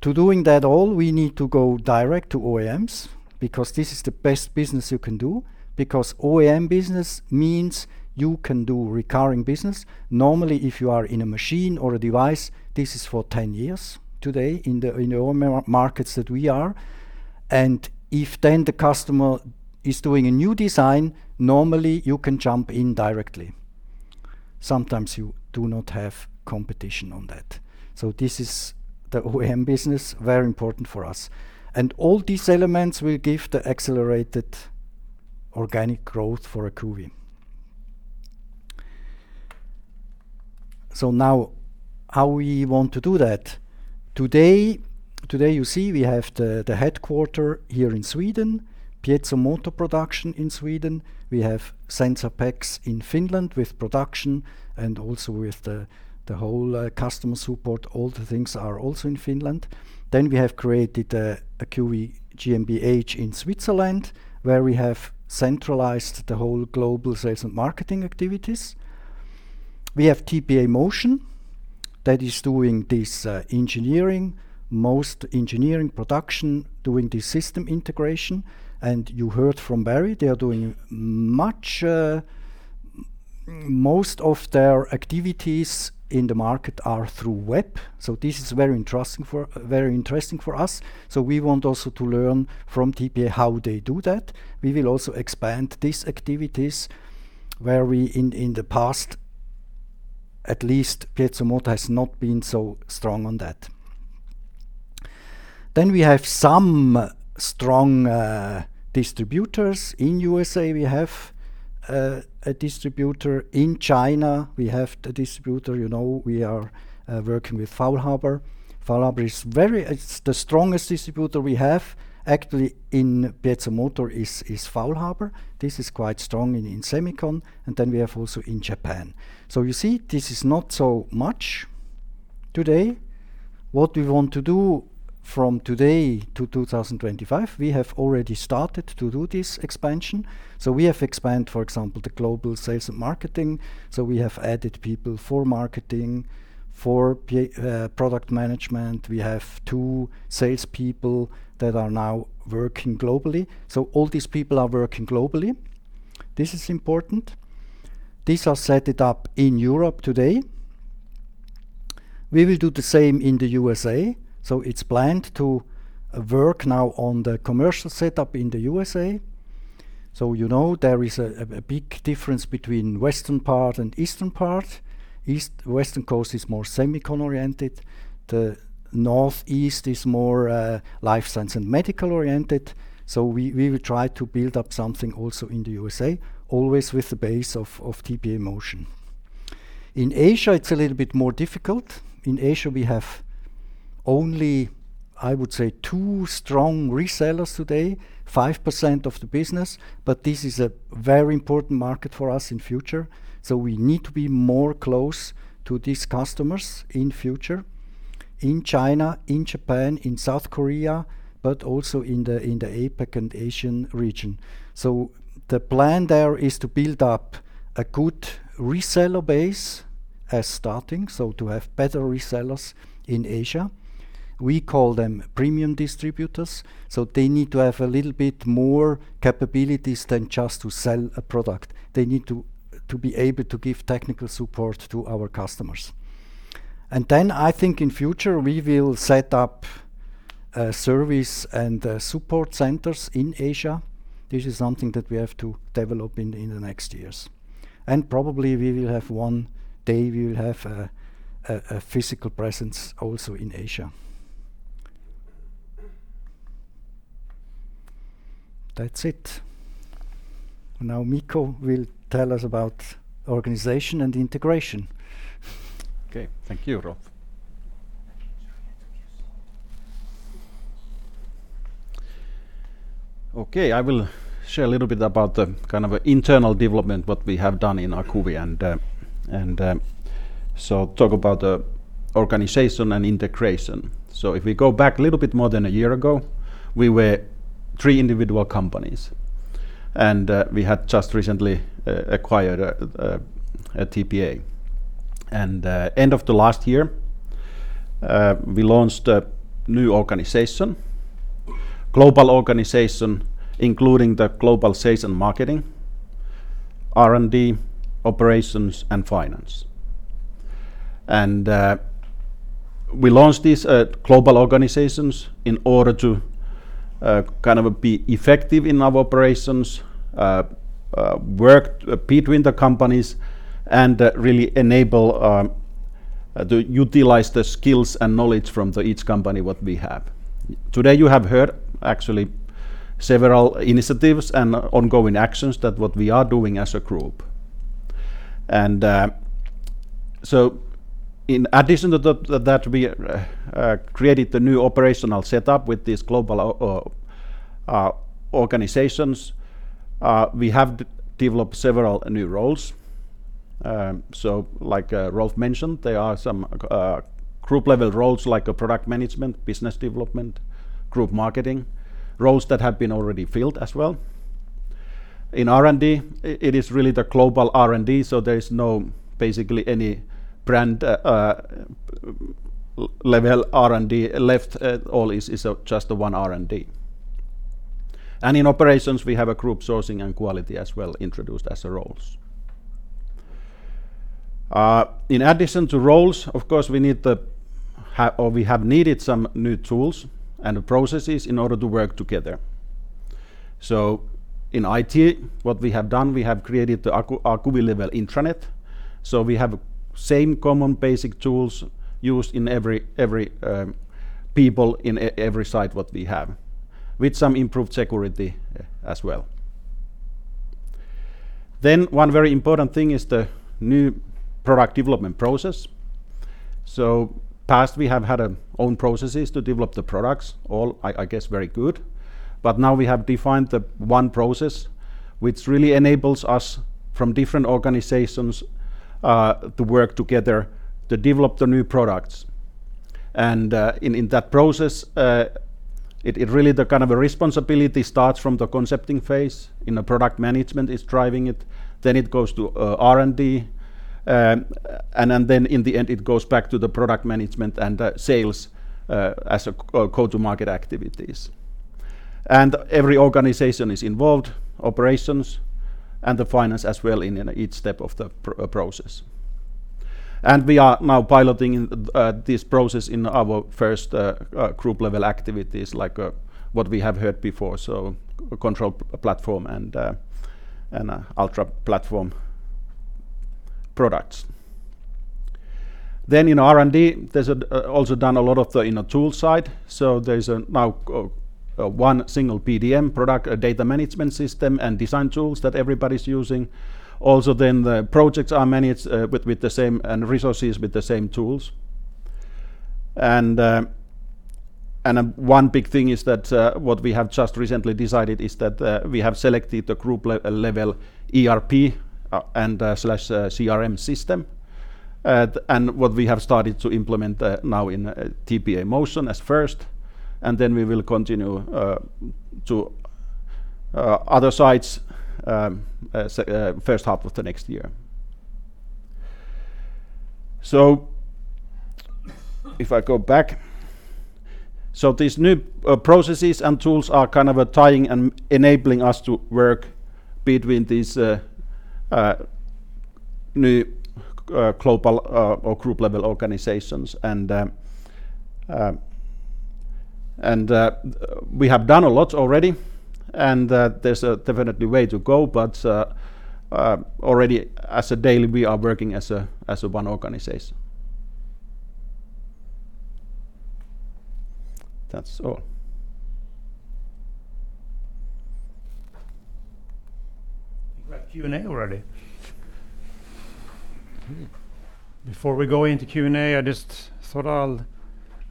To doing that all, we need to go direct to OEMs, because this is the best business you can do, because OEM business means you can do recurring business. Normally, if you are in a machine or a device, this is for 10 years today in the OEM markets that we are. If then the customer is doing a new design, normally you can jump in directly. Sometimes you do not have competition on that. This is the OEM business, very important for us. All these elements will give the accelerated organic growth for Acuvi. Now, how we want to do that? Today you see we have the headquarter here in Sweden, PiezoMotor production in Sweden. We have Sensapex in Finland with production and also with the whole customer support. All the things are also in Finland. We have created Acuvi GmbH in Switzerland, where we have centralized the whole global sales and marketing activities. We have TPA Motion that is doing this engineering, most engineering production, doing the system integration. You heard from Barry, they are doing much, most of their activities in the market are through web. This is very interesting for us. We want also to learn from TPA how they do that. We will also expand these activities where we, in the past, at least PiezoMotor has not been so strong on that. We have some strong distributors. In USA, we have a distributor. In China, we have the distributor. You know, we are working with FAULHABER. FAULHABER is the strongest distributor we have. Actually, in PiezoMotor is FAULHABER. This is quite strong in Semicon. We have also in Japan. You see, this is not so much today. What we want to do from today to 2025, we have already started to do this expansion. We have expanded, for example, the global sales and marketing. We have added people for marketing, for product management. We have two salespeople that are now working globally. All these people are working globally. This is important. These are set up in Europe today. We will do the same in the USA. It's planned to work now on the commercial setup in the USA. You know there is a big difference between western part and eastern part. Western Coast is more Semicon oriented. The Northeast is more Life Science and medical oriented. We will try to build up something also in the USA, always with the base of TPA Motion. In Asia, it's a little bit more difficult. In Asia, we have only, I would say, two strong resellers today, 5% of the business, but this is a very important market for us in future. We need to be more close to these customers in future, in China, in Japan, in South Korea, but also in the APAC and Asian region. The plan there is to build up a good reseller base as starting, so to have better resellers in Asia. We call them premium distributors, so they need to have a little bit more capabilities than just to sell a product. They need to be able to give technical support to our customers. I think in future we will set up service and support centers in Asia. This is something that we have to develop in the next years. Probably, we will have one day a physical presence also in Asia. That's it. Now Mikko will tell us about organization and integration. Okay. Thank you, Rolf. I will share a little bit about the kind of internal development what we have done in Acuvi and talk about the organization and integration. If we go back a little bit more than a year ago, we were three individual companies, and we had just recently acquired TPA. End of the last year, we launched a new organization, global organization, including the global sales and marketing, R&D, operations, and finance. We launched these global organizations in order to kind of be effective in our operations, work between the companies and really enable to utilize the skills and knowledge from the each company what we have. Today, you have heard actually several initiatives and ongoing actions that what we are doing as a group. In addition to that we created the new operational setup with these global organizations, we have developed several new roles. Like, Rolf mentioned, there are some group level roles like product management, business development, group marketing, roles that have been already filled as well. In R&D, it is really the global R&D, so there is no basically any brand level R&D left at all. It is just the one R&D. In operations, we have introduced group sourcing and quality roles as well. In addition to roles, of course, we have needed some new tools and processes in order to work together. In IT, what we have done, we have created the Acuvi level intranet. We have same common basic tools used in every people in every site what we have, with some improved security as well. One very important thing is the new product development process. In the past, we have had own processes to develop the products, all. I guess very good. Now we have defined the one process which really enables us from different organizations to work together to develop the new products. In that process, it really the kind of a responsibility starts from the concepting phase in a product management is driving it. It goes to R&D, and then in the end, it goes back to the product management and sales as a go-to-market activities. Every organization is involved, operations, and the finance as well in each step of the process. We are now piloting this process in our first group level activities like what we have heard before. Control platform and ultra platform products. In R&D, we've also done a lot of the you know tool side. There's now one single PDM product data management system and design tools that everybody's using. Also the projects are managed with the same tools and resources with the same tools. One big thing is that what we have just recently decided is that we have selected the group-level ERP/CRM system. What we have started to implement now in TPA Motion as first, and then we will continue to other sites first half of the next year. If I go back. These new processes and tools are kind of tying and enabling us to work between these new global or group level organizations. We have done a lot already and there's definitely a way to go, but already on a daily basis we are working as one organization. That's all. We've got Q&A already. Before we go into Q&A, I just thought I'll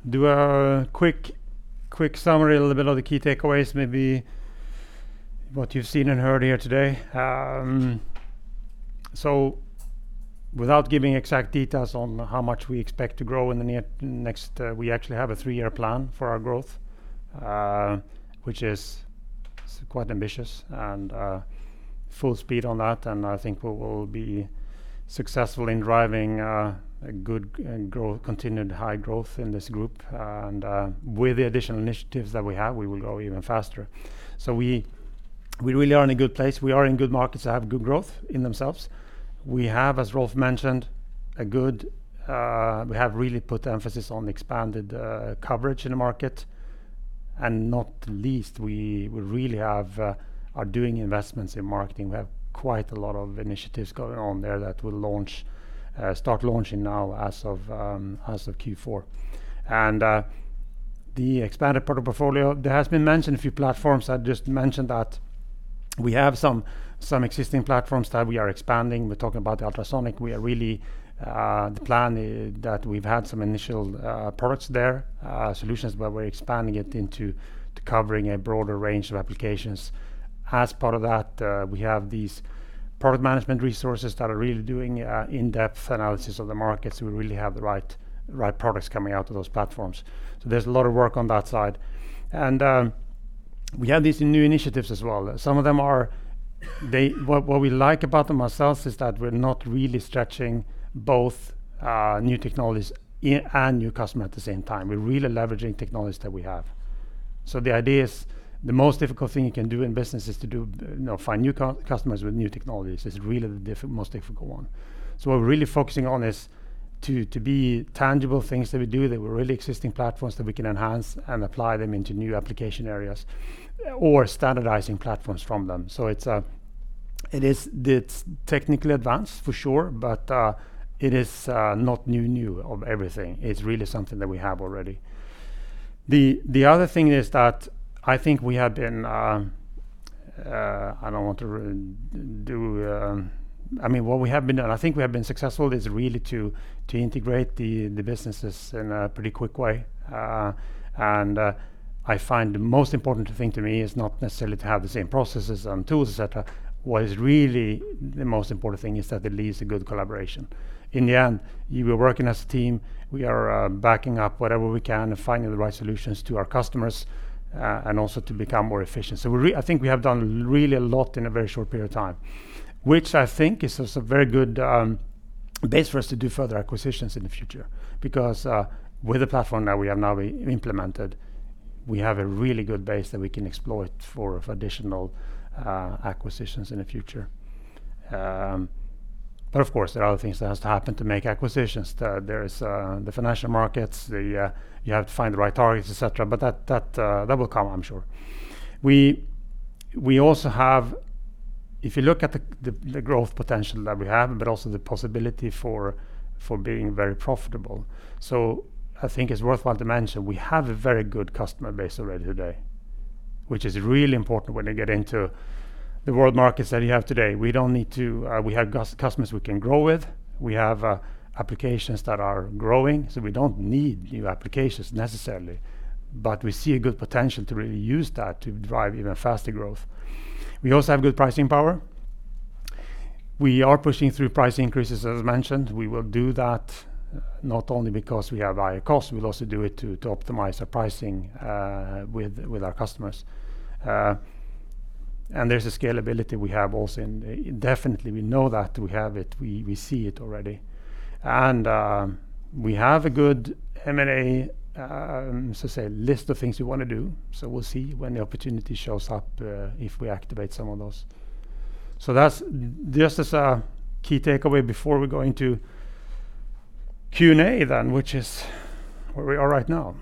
do a quick summary, a little bit of the key takeaways, maybe what you've seen and heard here today. Without giving exact details on how much we expect to grow in the near next, we actually have a three-year plan for our growth, which is quite ambitious and full speed on that. I think we will be successful in driving a good continued high growth in this group. With the additional initiatives that we have, we will grow even faster. We really are in a good place. We are in good markets that have good growth in themselves. We have, as Rolf mentioned, really put emphasis on expanded coverage in the market. Not least we really are doing investments in marketing. We have quite a lot of initiatives going on there that will start launching now as of Q4. The expanded product portfolio, there has been mentioned a few platforms. I just mentioned that we have some existing platforms that we are expanding. We're talking about ultrasonic. We are really the plan that we've had some initial products there solutions, but we're expanding it into covering a broader range of applications. As part of that, we have these product management resources that are really doing in-depth analysis of the markets. We really have the right products coming out of those platforms. There's a lot of work on that side. We have these new initiatives as well. Some of them are what we like about them ourselves is that we're not really stretching both new technologies and new customers at the same time. We're really leveraging technologies that we have. The idea is the most difficult thing you can do in business is to do, you know, find new customers with new technologies. It's really the most difficult one. What we're really focusing on is to be tangible things that we do, that were really existing platforms that we can enhance and apply them into new application areas or standardizing platforms from them. It's technically advanced for sure, but it is not new of everything. It's really something that we have already. The other thing is that I think we have been, I don't want to do. I mean what we have been, and I think we have been successful, is really to integrate the businesses in a pretty quick way. I find the most important thing to me is not necessarily to have the same processes and tools, et cetera. What is really the most important thing is that it leaves a good collaboration. In the end, you were working as a team. We are backing up whatever we can and finding the right solutions to our customers, and also to become more efficient. I think we have done really a lot in a very short period of time, which I think is just a very good base for us to do further acquisitions in the future. Because with the platform that we have now implemented, we have a really good base that we can explore for additional acquisitions in the future. But of course, there are other things that has to happen to make acquisitions. There is the financial markets, you have to find the right targets, et cetera, but that will come, I'm sure. We also have, if you look at the growth potential that we have, but also the possibility for being very profitable. So I think it's worthwhile to mention we have a very good customer base already today, which is really important when you get into the world markets that you have today. We don't need to, we have customers we can grow with. We have applications that are growing, so we don't need new applications necessarily. We see a good potential to really use that to drive even faster growth. We also have good pricing power. We are pushing through price increases, as mentioned. We will do that not only because we have higher costs, we'll also do it to optimize our pricing with our customers. There's a scalability we have also, and definitely we know that we have it. We see it already. We have a good M&A, as I say, list of things we wanna do. We'll see when the opportunity shows up, if we activate some of those. That's just as a key takeaway before we go into Q&A then, which is where we are right now.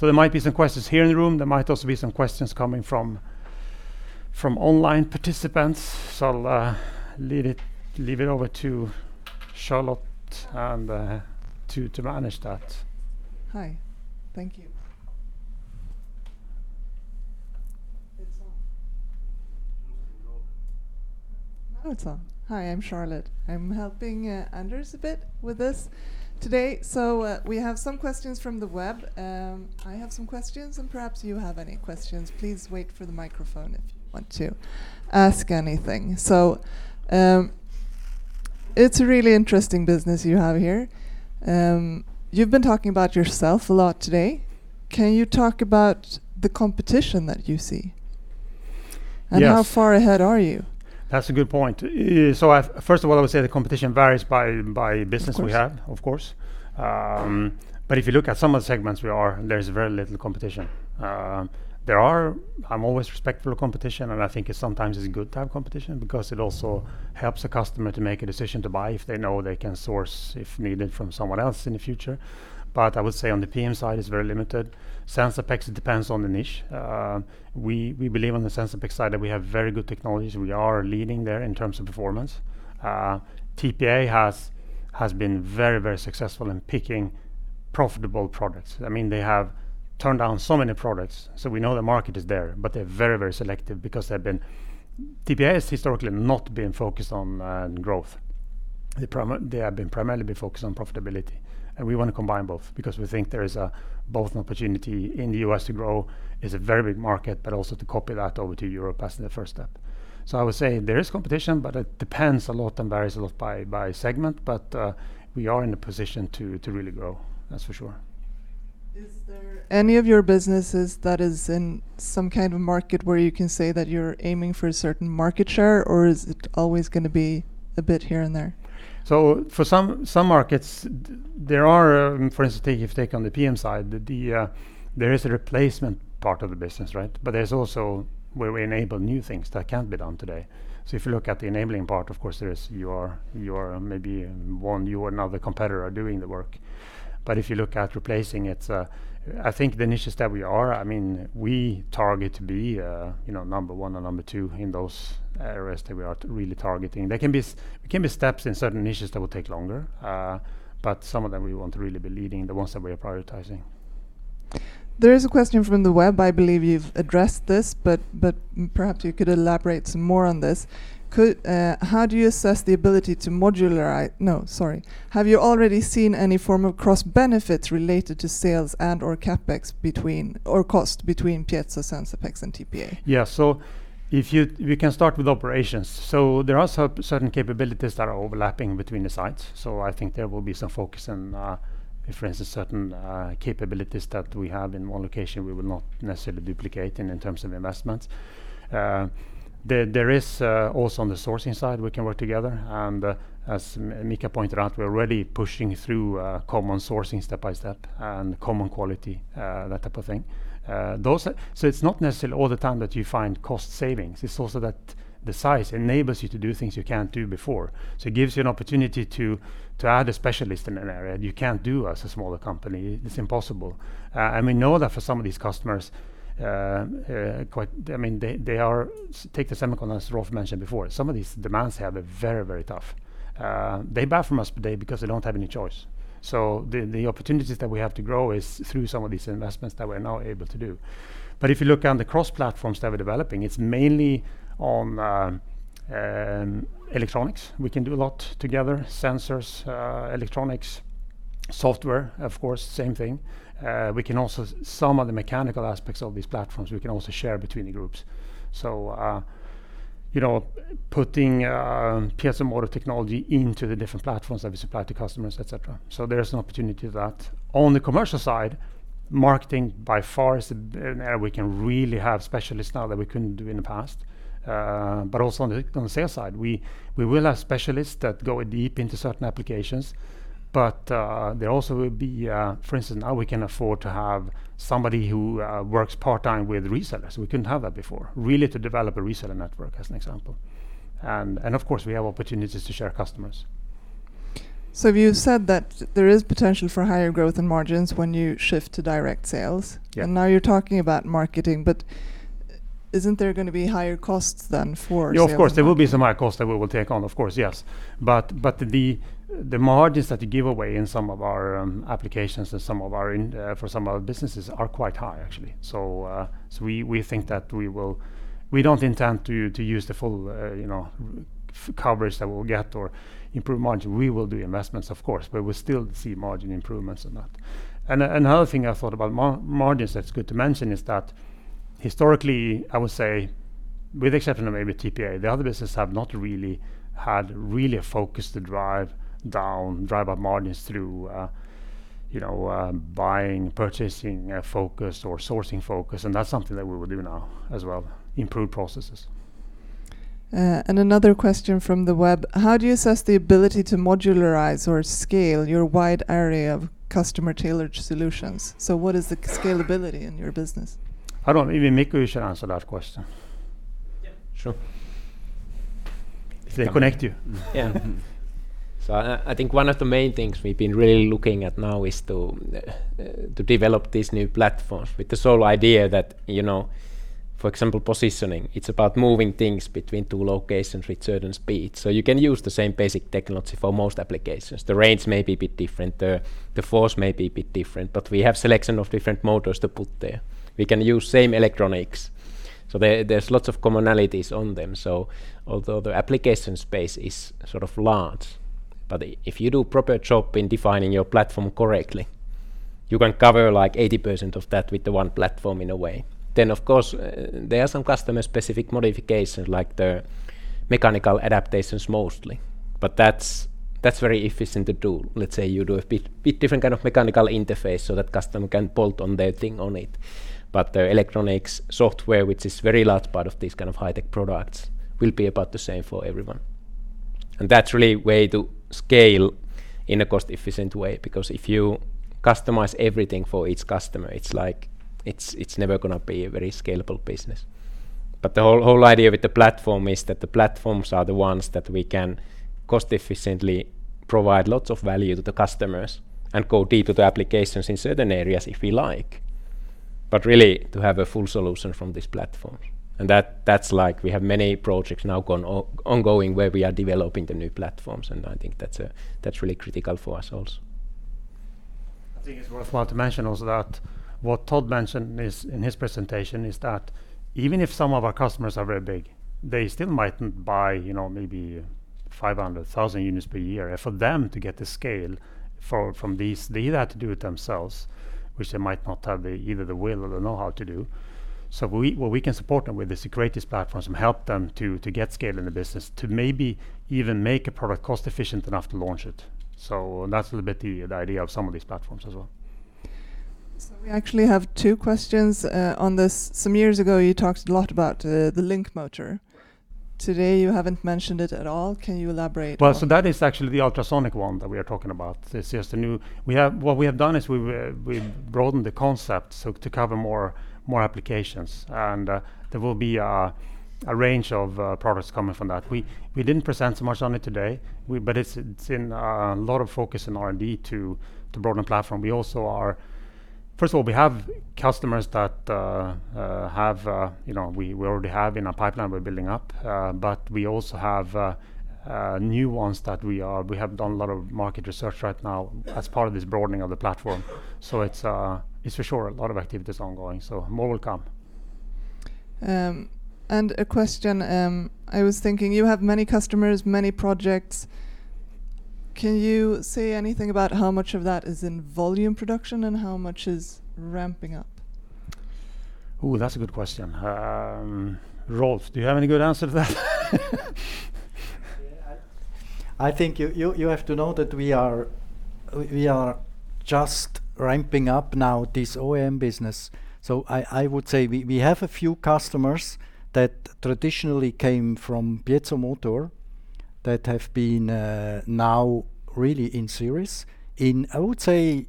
There might be some questions here in the room. There might also be some questions coming from online participants. I'll leave it over to Charlotte and to manage that. Hi. Thank you. It's on. You need to enable it. Now it's on. Hi I'm Charlotte. I'm helping Anders a bit with this today. We have some questions from the web. I have some questions, and perhaps you have any questions. Please wait for the microphone if you want to ask anything. It's a really interesting business you have here. You've been talking about yourself a lot today. Can you talk about the competition that you see? Yes. How far ahead are you? That's a good point. First of all, I would say the competition varies by business we have. Of course. Of course. If you look at some of the segments we are, there's very little competition. I'm always respectful of competition, and I think it's sometimes good to have competition because it also helps the customer to make a decision to buy if they know they can source, if needed, from someone else in the future. I would say on the PM side, it's very limited. Sensapex, it depends on the niche. We believe on the Sensapex side that we have very good technologies. We are leading there in terms of performance. TPA has been very, very successful in picking profitable products. I mean, they have turned down so many products so we know the market is there but they're very, very selective because they've been TPA has historically not been focused on growth. They have been primarily focused on profitability. We wanna combine both because we think there is both an opportunity in the U.S. to grow. It's a very big market, but also to copy that over to Europe as the first step. I would say there is competition, but it depends a lot by segment. We are in a position to really grow, that's for sure. Is there any of your businesses that is in some kind of market where you can say that you're aiming for a certain market share, or is it always gonna be a bit here and there? For some markets, there are, for instance, if you take on the PM side, there is a replacement part of the business, right? There's also where we enable new things that can't be done today. If you look at the enabling part, of course there is your maybe one you or another competitor are doing the work. If you look at replacing it, I think the niches that we are, I mean we target to be you know, number one or number two in those areas that we are really targeting. There can be steps in certain niches that will take longer. Some of them we want to really be leading, the ones that we are prioritizing. There is a question from the web. I believe you've addressed this, but perhaps you could elaborate some more on this. No, sorry. Have you already seen any form of cross-benefits related to sales and/or CapEx between, or cost between Piezo, Sensapex, and TPA? We can start with operations. There are certain capabilities that are overlapping between the sites. I think there will be some focus on, if, for instance, certain capabilities that we have in one location, we will not necessarily duplicate in terms of investments. There is also, on the sourcing side, we can work together. As Mikko pointed out, we're already pushing through common sourcing step by step and common quality, that type of thing. Those are. It's not necessarily all the time that you find cost savings. It's also that the size enables you to do things you can't do before. It gives you an opportunity to add a specialist in an area that you can't do as a smaller company. It's impossible. We know that for some of these customers, I mean take the semiconductor, as Rolf mentioned before. Some of these demands they have are very, very tough. They buy from us, but because they don't have any choice. The opportunities that we have to grow is through some of these investments that we're now able to do. If you look on the cross-platforms that we're developing it's mainly on electronics. We can do a lot together. Sensors, electronics, software, of course, same thing. Some of the mechanical aspects of these platforms, we can also share between the groups. You know, putting PiezoMotor technology into the different platforms that we supply to customers, et cetera. There is an opportunity there. On the commercial side marketing by far is an area we can really have specialists now that we couldn't do in the past. But also on the sales side, we will have specialists that go deep into certain applications, but there also will be, for instance, now we can afford to have somebody who works part-time with resellers. We couldn't have that before, really to develop a reseller network as an example. Of course, we have opportunities to share customers. You said that there is potential for higher growth in margins when you shift to direct sales. Yeah. Now you're talking about marketing, but isn't there gonna be higher costs than for sales and marketing? Yeah, of course there will be some higher costs that we will take on. Of course yes. The margins that you give away in some of our applications and for some of our businesses are quite high, actually. We think that we don't intend to use the full you know, coverage that we'll get or improved margin. We will do investments, of course, but we still see margin improvements in that. Another thing I thought about margins that's good to mention is that historically, I would say with exception of maybe TPA, the other business have not really had a focus to drive up margins through, you know, buying, purchasing focus or sourcing focus, and that's something that we will do now as well improve processes. Another question from the web: How do you assess the ability to modularize or scale your wide array of customer-tailored solutions? What is the scalability in your business? Maybe Mikko, you should answer that question. Yeah, sure. If they connect you. Yeah. I think one of the main things we've been really looking at now is to develop these new platforms with the sole idea that, you know, for example, positioning, it's about moving things between two locations with certain speed. You can use the same basic technology for most applications. The range may be a bit different. The force may be a bit different. We have selection of different motors to put there. We can use same electronics. There's lots of commonalities on them, so although the application space is sort of large, if you do proper job in defining your platform correctly, you can cover like 80% of that with the one platform in a way. Of course, there are some customer-specific modifications like the mechanical adaptations mostly. That's very efficient to do. Let's say you do a bit different kind of mechanical interface so that customer can bolt on their thing on it. The electronics software, which is very large part of these kind of high-tech products, will be about the same for everyone. That's really way to scale in a cost-efficient way because if you customize everything for each customer it's like it's never gonna be a very scalable business. The whole idea with the platform is that the platforms are the ones that we can cost efficiently provide lots of value to the customers and go deep into applications in certain areas if we like. Really to have a full solution from this platform. That, that's like we have many projects now going on, ongoing where we are developing the new platforms, and I think that's really critical for us also. I think it's worthwhile to mention also that what Todd mentioned is, in his presentation, that even if some of our customers are very big they still mightn't buy you know, maybe 500,000 units per year. For them to get the scale for, from these, they either have to do it themselves, which they might not have the either the will or the know-how to do. What we can support them with is to create these platforms and help them to get scale in the business to maybe even make a product cost-efficient enough to launch it. That's a little bit the idea of some of these platforms as well. We actually have two questions on this. Some years ago, you talked a lot about the Link motor. Today, you haven't mentioned it at all. Can you elaborate on- That is actually the ultrasonic one that we are talking about. It's just a new. What we have done is we've broadened the concept so to cover more applications. There will be a range of products coming from that. We didn't present so much on it today. It's in a lot of focus in R&D to broaden the platform. We also are. First of all, we have customers that, you know, we already have in our pipeline we're building up. We also have new ones that we have done a lot of market research right now as part of this broadening of the platform. It's for sure a lot of activities ongoing, so more will come. A question, I was thinking you have many customers, many projects. Can you say anything about how much of that is in volume production and how much is ramping up? Ooh, that's a good question. Rolf, do you have any good answer to that? Yeah. I think you have to know that we are just ramping up now this OEM business. I would say we have a few customers that traditionally came from PiezoMotor that have been now really in series in, I would say,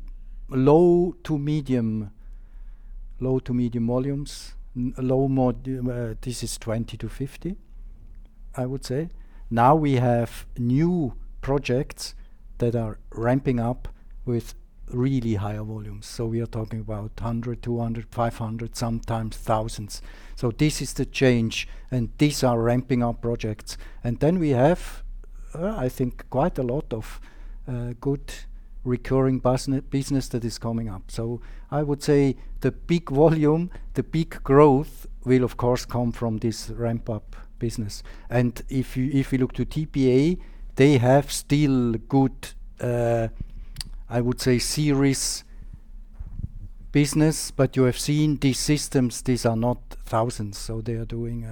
low to medium volumes. This is 20-50, I would say. Now we have new projects that are ramping up with really higher volumes. We are talking about 100, 200, 500, sometimes thousands. This is the change, and these are ramping our projects. Then we have I think quite a lot of good recurring business that is coming up. I would say the peak volume, the peak growth will of course come from this ramp-up business. If you look to TPA Motion, they have still good, I would say, series business, but you have seen these systems, these are not thousands. They are doing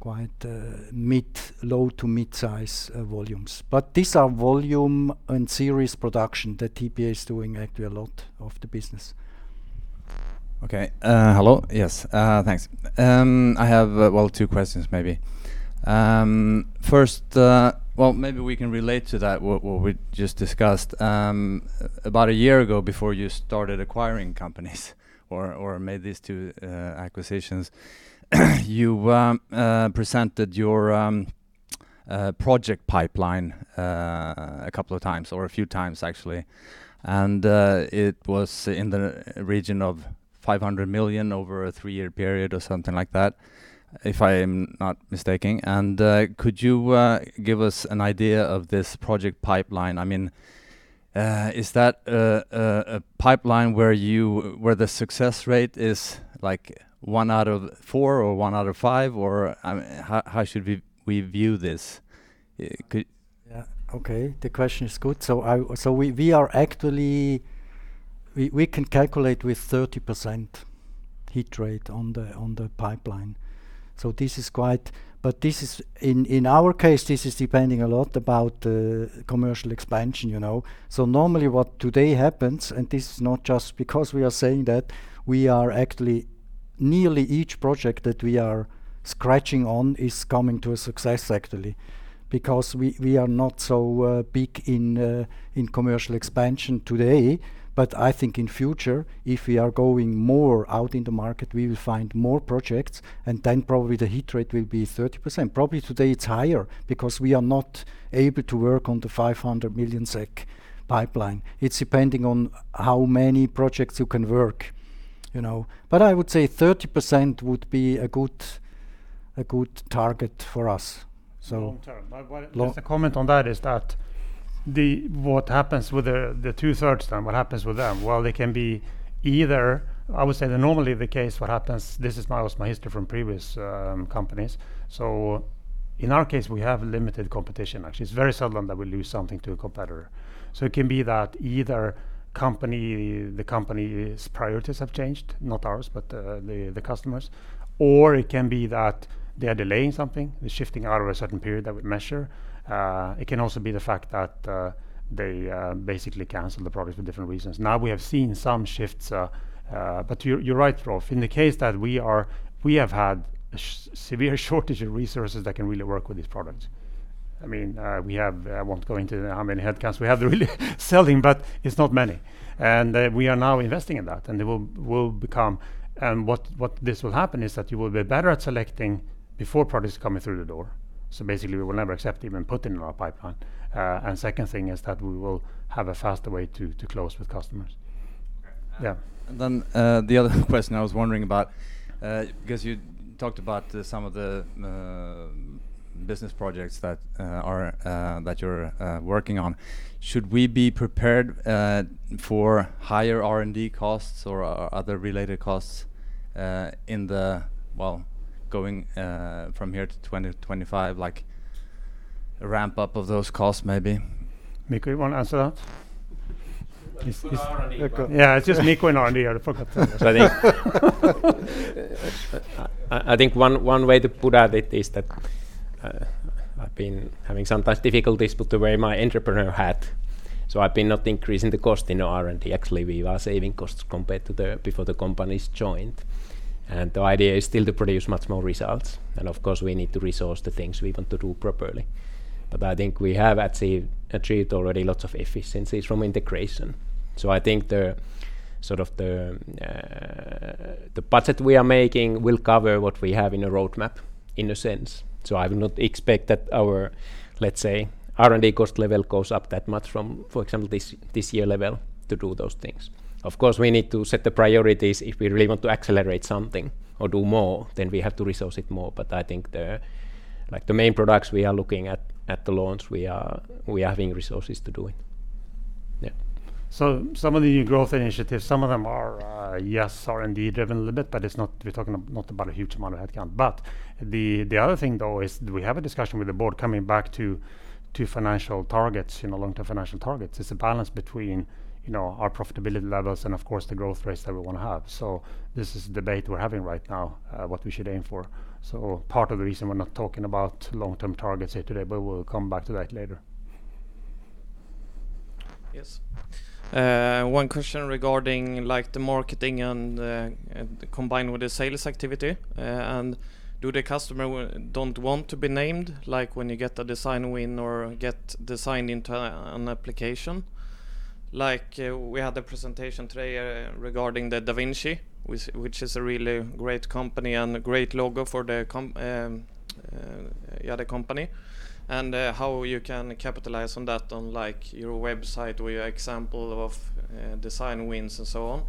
quite mid low to mid-size volumes. These are volume and series production that TPA Motion is doing actually a lot of the business. Hello Thanks I have well, two questions maybe. First well maybe we can relate to that, what we just discussed. About a year ago, before you started acquiring companies or made these two acquisitions, you presented your project pipeline a couple of times or a few times actually. It was in the region of 500 million over a three-years period or something like that, if I am not mistaken. Could you give us an idea of this project pipeline? I mean, is that a pipeline where the success rate is like one out of four or one out of five, or how should we view this? The question is good. We are actually. We can calculate with 30% hit rate on the pipeline. In our case, this is depending a lot on the commercial expansion, you know. Normally what today happens, and this is not just because we are saying that. We are actually. Nearly each project that we are starting on is coming to a success actually. We are not so big in commercial expansion today. I think in future, if we are going more out in the market, we will find more projects, and then probably the hit rate will be 30%. Probably today it's higher because we are not able to work on the 500 million SEK pipeline. It's depending on how many projects you can work, you know. I would say 30% would be a good target for us. Long term. Long- Just to comment on that, what happens with the 2/3 then? What happens with them? Well, they can be either. I would say that normally the case, what happens. This is my history from previous companies. In our case, we have limited competition, actually. It's very seldom that we lose something to a competitor. It can be that either company, the company's priorities have changed, not ours, but the customer's. It can be that they are delaying something. They're shifting out of a certain period that we measure. It can also be the fact that they basically cancel the product for different reasons. Now we have seen some shifts. You're right, Rolf. In the case that we have had a severe shortage of resources that can really work with these products. I mean we have I won't go into how many headcounts we have really selling, but it's not many. We are now investing in that, and they will become. What this will happen is that you will be better at selecting before products coming through the door. Basically we will never accept even putting in our pipeline. Second thing is that we will have a faster way to close with customers. The other question I was wondering about, because you talked about some of the business projects that you're working on. Should we be prepared for higher R&D costs or other related costs in the, well, going from here to 2025, like a ramp up of those costs maybe? Mikko you wanna answer that? Please, please. Put on R&D. Yeah, it's just Mikko on R&D. I forgot I think one way to put it is that, I've been having sometimes difficulties putting away my entrepreneur hat, so I've been not increasing the costs in R&D. Actually, we are saving costs compared to before the companies joined. The idea is still to produce much more results. Of course, we need to resource the things we want to do properly. I think we have achieved already lots of efficiencies from integration. I think the sort of the budget we are making will cover what we have in a roadmap, in a sense. I would not expect that our let's say R&D cost level goes up that much from, for example, this year level to do those things. Of course, we need to set the priorities. If we really want to accelerate something or do more, then we have to resource it more. I think the like the main products we are looking at the launch, we are having resources to do it. Yeah. Some of the new growth initiatives, some of them are uh yes R&D driven a little bit, but we're talking not about a huge amount of headcount. The other thing though is we have a discussion with the board coming back to financial targets you know long-term financial targets. It's a balance between, you know our profitability levels and of course the growth rates that we want to have. This is a debate we're having right now, what we should aim for. Part of the reason we're not talking about long-term targets here today, but we'll come back to that later. Yes. One question regarding like the marketing and combined with the sales activity, and do the customers who don't want to be named, like when you get a design win or get designed into an application? Like, we had a presentation today regarding the da Vinci, which is a really great company and a great logo for the company, and how you can capitalize on that on, like, your website with your example of design wins and so on.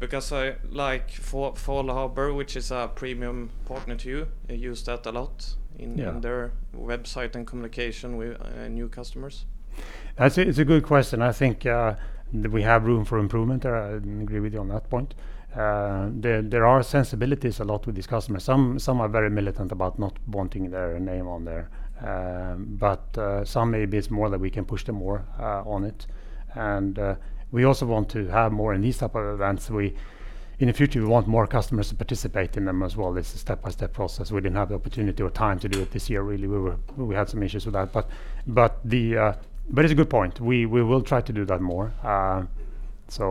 Because I like for FAULHABER, which is a premium partner to you, they use that a lot in. Yeah Their website and communication with new customers. It's a good question. I think, we have room for improvement there. I agree with you on that point. There are sensibilities a lot with these customers. Some are very militant about not wanting their name on there. Some maybe it's more that we can push them more, on it. We also want to have more in these type of events. In the future, we want more customers to participate in them as well. It's a step-by-step process. We didn't have the opportunity or time to do it this year really. We had some issues with that. It's a good point. We will try to do that more.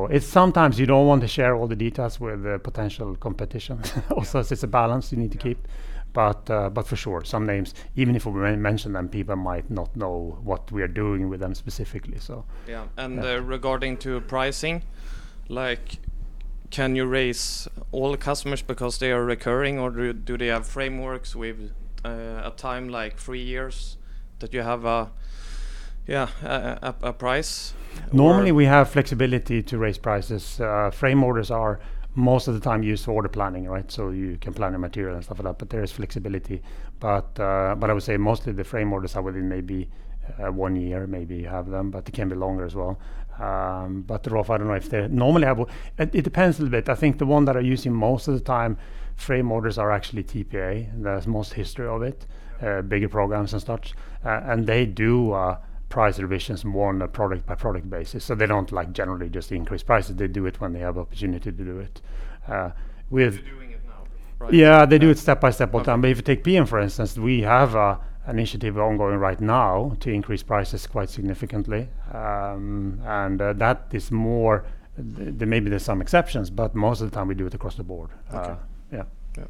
It's sometimes you don't want to share all the details with the potential competition. Also, it's a balance you need to keep. For sure, some names, even if we mention them, people might not know what we are doing with them specifically, so. Yeah. Yeah. Regarding to pricing, like, can you raise prices for all customers because they are recurring, or do they have frameworks with a time, like three years that you have a yeah a price? Or Normally we have flexibility to raise prices. Frame orders are most of the time used for order planning right? You can plan your material and stuff like that but there is flexibility. I would say mostly the frame orders are within maybe one year, maybe you have them, but they can be longer as well. Roughly, I don't know if they normally have. It depends a little bit. I think the ones that are using most of the time frame orders are actually TPA. There's most history of it. Okay. Bigger programs and such. They do price revisions more on a product-by-product basis. So they don't like generally just increase prices. They do it when they have opportunity to do it. They're doing it now though, right? Yeah. They do it step by step all the time. If you take PM, for instance, we have an initiative ongoing right now to increase prices quite significantly. That is more. There's some exceptions, but most of the time we do it across the board. Okay. Yeah. Yep.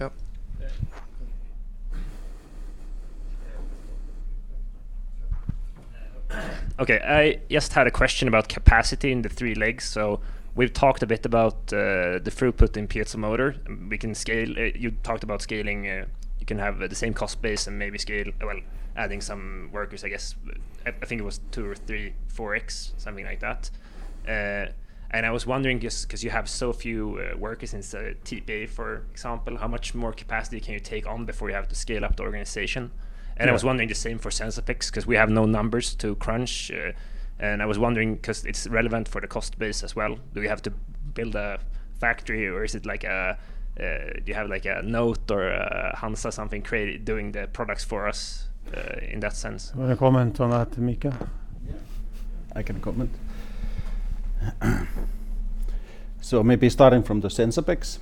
Yep. Okay. I just had a question about capacity in the three legs. We've talked a bit about the throughput in PiezoMotor. We can scale. You talked about scaling. You can have the same cost base and maybe scale well adding some workers, I guess. I think it was 2x or 3x, 4x, something like that. I was wondering just 'cause you have so few workers in say TPA, for example, how much more capacity can you take on before you have to scale up the organization? Yeah. I was wondering the same for Sensapex, 'cause we have no numbers to crunch. I was wondering, 'cause it's relevant for the cost base as well. Do we have to build a factory, or is it like do you have like a note or Hanza or something created doing the products for us, in that sense? You want to comment on that, Mikko? Yeah. I can comment. Maybe starting from the Sensapex.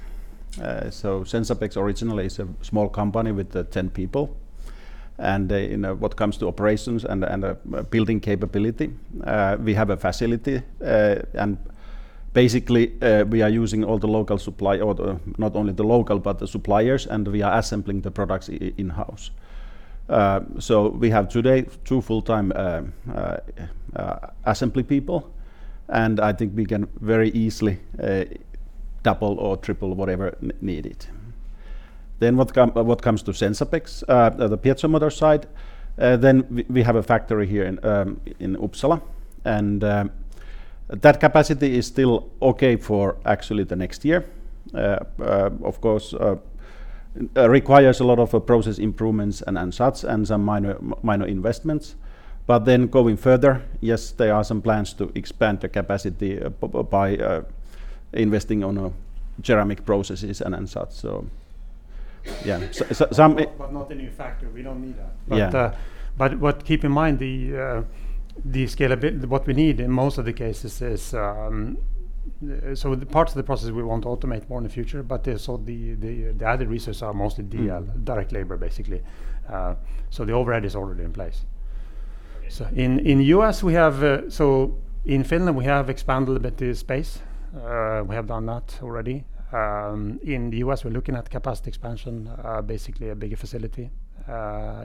Sensapex originally is a small company with 10 people and, you know, what comes to operations and building capability. We have a facility and basically we are using all the local supply or the, not only the local, but the suppliers, and we are assembling the products in-house. We have today two full-time assembly people, and I think we can very easily. Double or triple whatever is needed. What comes to Sensapex, the piezo motor side, we have a factory here in Uppsala, and that capacity is still okay for actually the next year. Of course, requires a lot of process improvements and such, and some minor investments. Going further, yes, there are some plans to expand the capacity by investing on ceramic processes and such. Yeah. Not a new factory. We don't need that. Yeah. Keep in mind what we need in most of the cases is so the parts of the process we want to automate more in the future, the added resources are mostly direct labor, basically. The overhead is already in place. Okay. In Finland, we have expanded a bit the space. We have done that already. In the U.S., we're looking at capacity expansion, basically a bigger facility.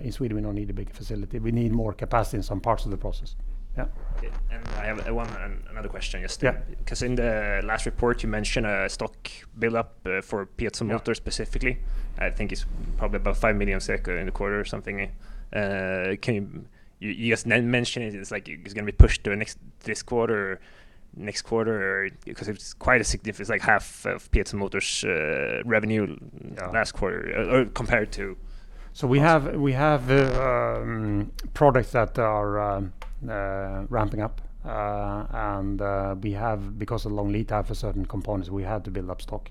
In Sweden, we don't need a bigger facility. We need more capacity in some parts of the process. Yeah. Okay. I want another question. Yeah Because in the last report, you mentioned a stock build-up for piezo motors. Yeah Specifically. I think it's probably about 5 million in the quarter or something. Can you just mentioned it. It's like it's gonna be pushed to next this quarter or next quarter or because it's quite significant. It's like half of piezo motors revenue. Yeah Last quarter or compared to. We have products that are ramping up. We have, because of long lead time for certain components, we had to build up stock.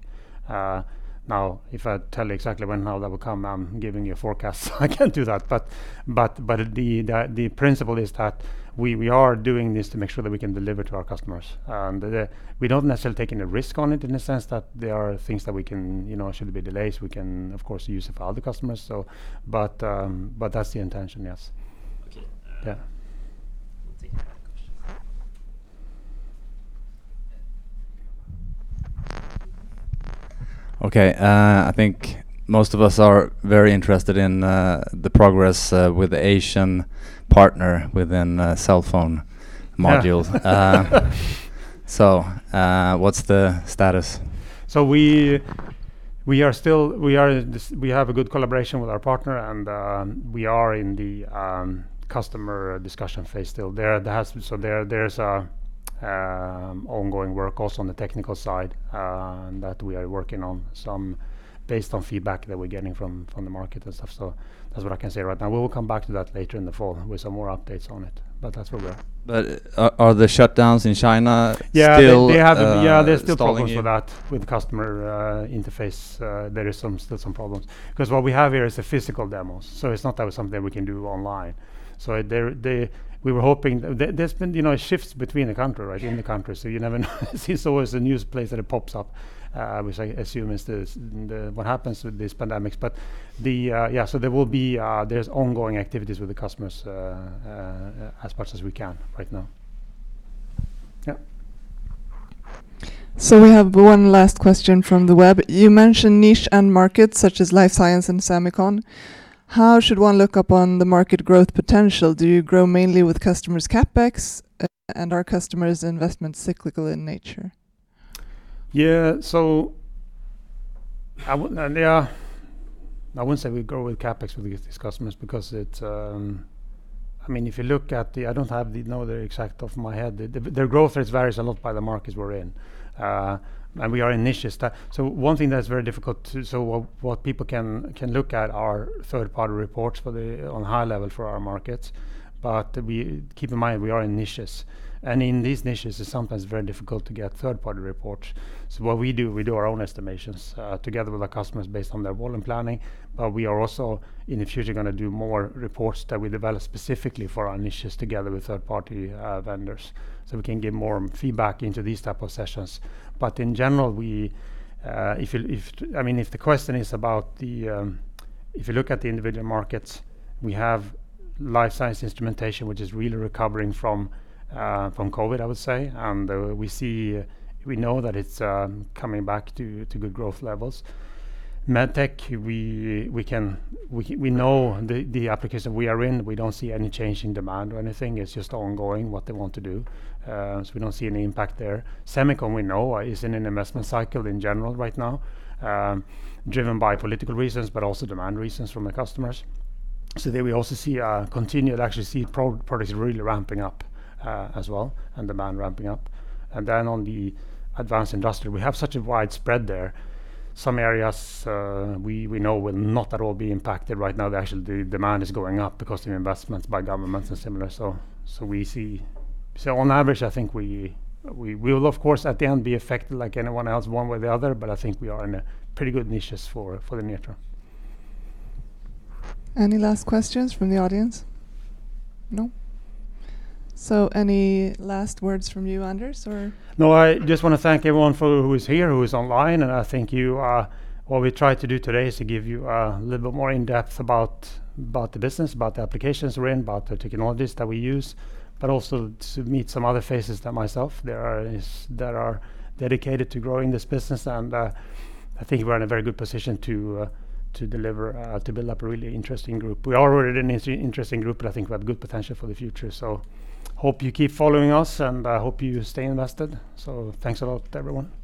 Now, if I tell exactly when how that will come, I'm giving you a forecast. I can't do that. The principle is that we are doing this to make sure that we can deliver to our customers. We don't necessarily taking a risk on it in the sense that there are things that we can, you know, should it be delays, we can, of course, use it for other customers. That's the intention, yes. Okay. Yeah.We'll take more questions. Okay. I think most of us are very interested in the progress with the Asian partner within cell phone modules. Yeah. What's the status? We are still. We have a good collaboration with our partner. We are in the customer discussion phase still. There's ongoing work also on the technical side that we are working on some based on feedback that we're getting from the market and stuff. That's what I can say right now. We will come back to that later in the fall with some more updates on it. That's where we are. Are the shutdowns in China still? Yeah, they have. Stalling you? There's still problems with that, with customer interface. There is still some problems. Because what we have here is the physical demos. It's not that was something we can do online. We were hoping. There's been, you know, shifts between the country, right? In the country. You never know. There's always a new place that it pops up, which I assume is the what happens with these pandemics. Yeah, so there will be ongoing activities with the customers, as much as we can right now. Yeah. We have one last question from the web. You mentioned niche end markets such as life science and semiconductor. How should one look upon the market growth potential? Do you grow mainly with customers' CapEx? And are customers' investments cyclical in nature? Yeah. I would, and yeah, I wouldn't say we grow with CapEx with these customers because it, I mean if you look at the I don't know the exact off the top of my head. Their growth rates varies a lot by the markets we're in. We are in niches. One thing that's very difficult to, what people can look at are third-party reports on high level for our markets. We keep in mind, we are in niches. In these niches, it's sometimes very difficult to get third-party reports. What we do, we do our own estimations together with our customers based on their volume planning. We are also in the future gonna do more reports that we develop specifically for our niches together with third-party vendors, so we can get more feedback into these type of sessions. In general, I mean, if the question is about the, if you look at the individual markets, we have Life Science Instrumentation, which is really recovering from COVID, I would say. We see, we know that it's coming back to good growth levels. MedTech, we know the application we are in. We don't see any change in demand or anything. It's just ongoing, what they want to do. We don't see any impact there. Semiconductor we know is in an investment cycle in general right now, driven by political reasons, but also demand reasons from the customers. There we also see a continued, actually see our products really ramping up, as well, and demand ramping up. Then on the advanced industry, we have such a wide spread there. Some areas, we know will not at all be impacted. Right now, the actual demand is going up because the investments by governments are similar. On average, I think we will, of course, at the end be affected like anyone else, one way or the other, but I think we are in a pretty good niches for the near term. Any last questions from the audience? No? Any last words from you, Anders, or? No, I just want to thank everyone who is here, who is online, and I think you are. What we tried to do today is to give you a little bit more in-depth about the business, about the applications we're in, about the technologies that we use, but also to meet some other faces than myself. There are that are dedicated to growing this business, and I think we're in a very good position to deliver, to build up a really interesting group. We are already an interesting group, but I think we have good potential for the future. Hope you keep following us, and I hope you stay invested. Thanks a lot, everyone.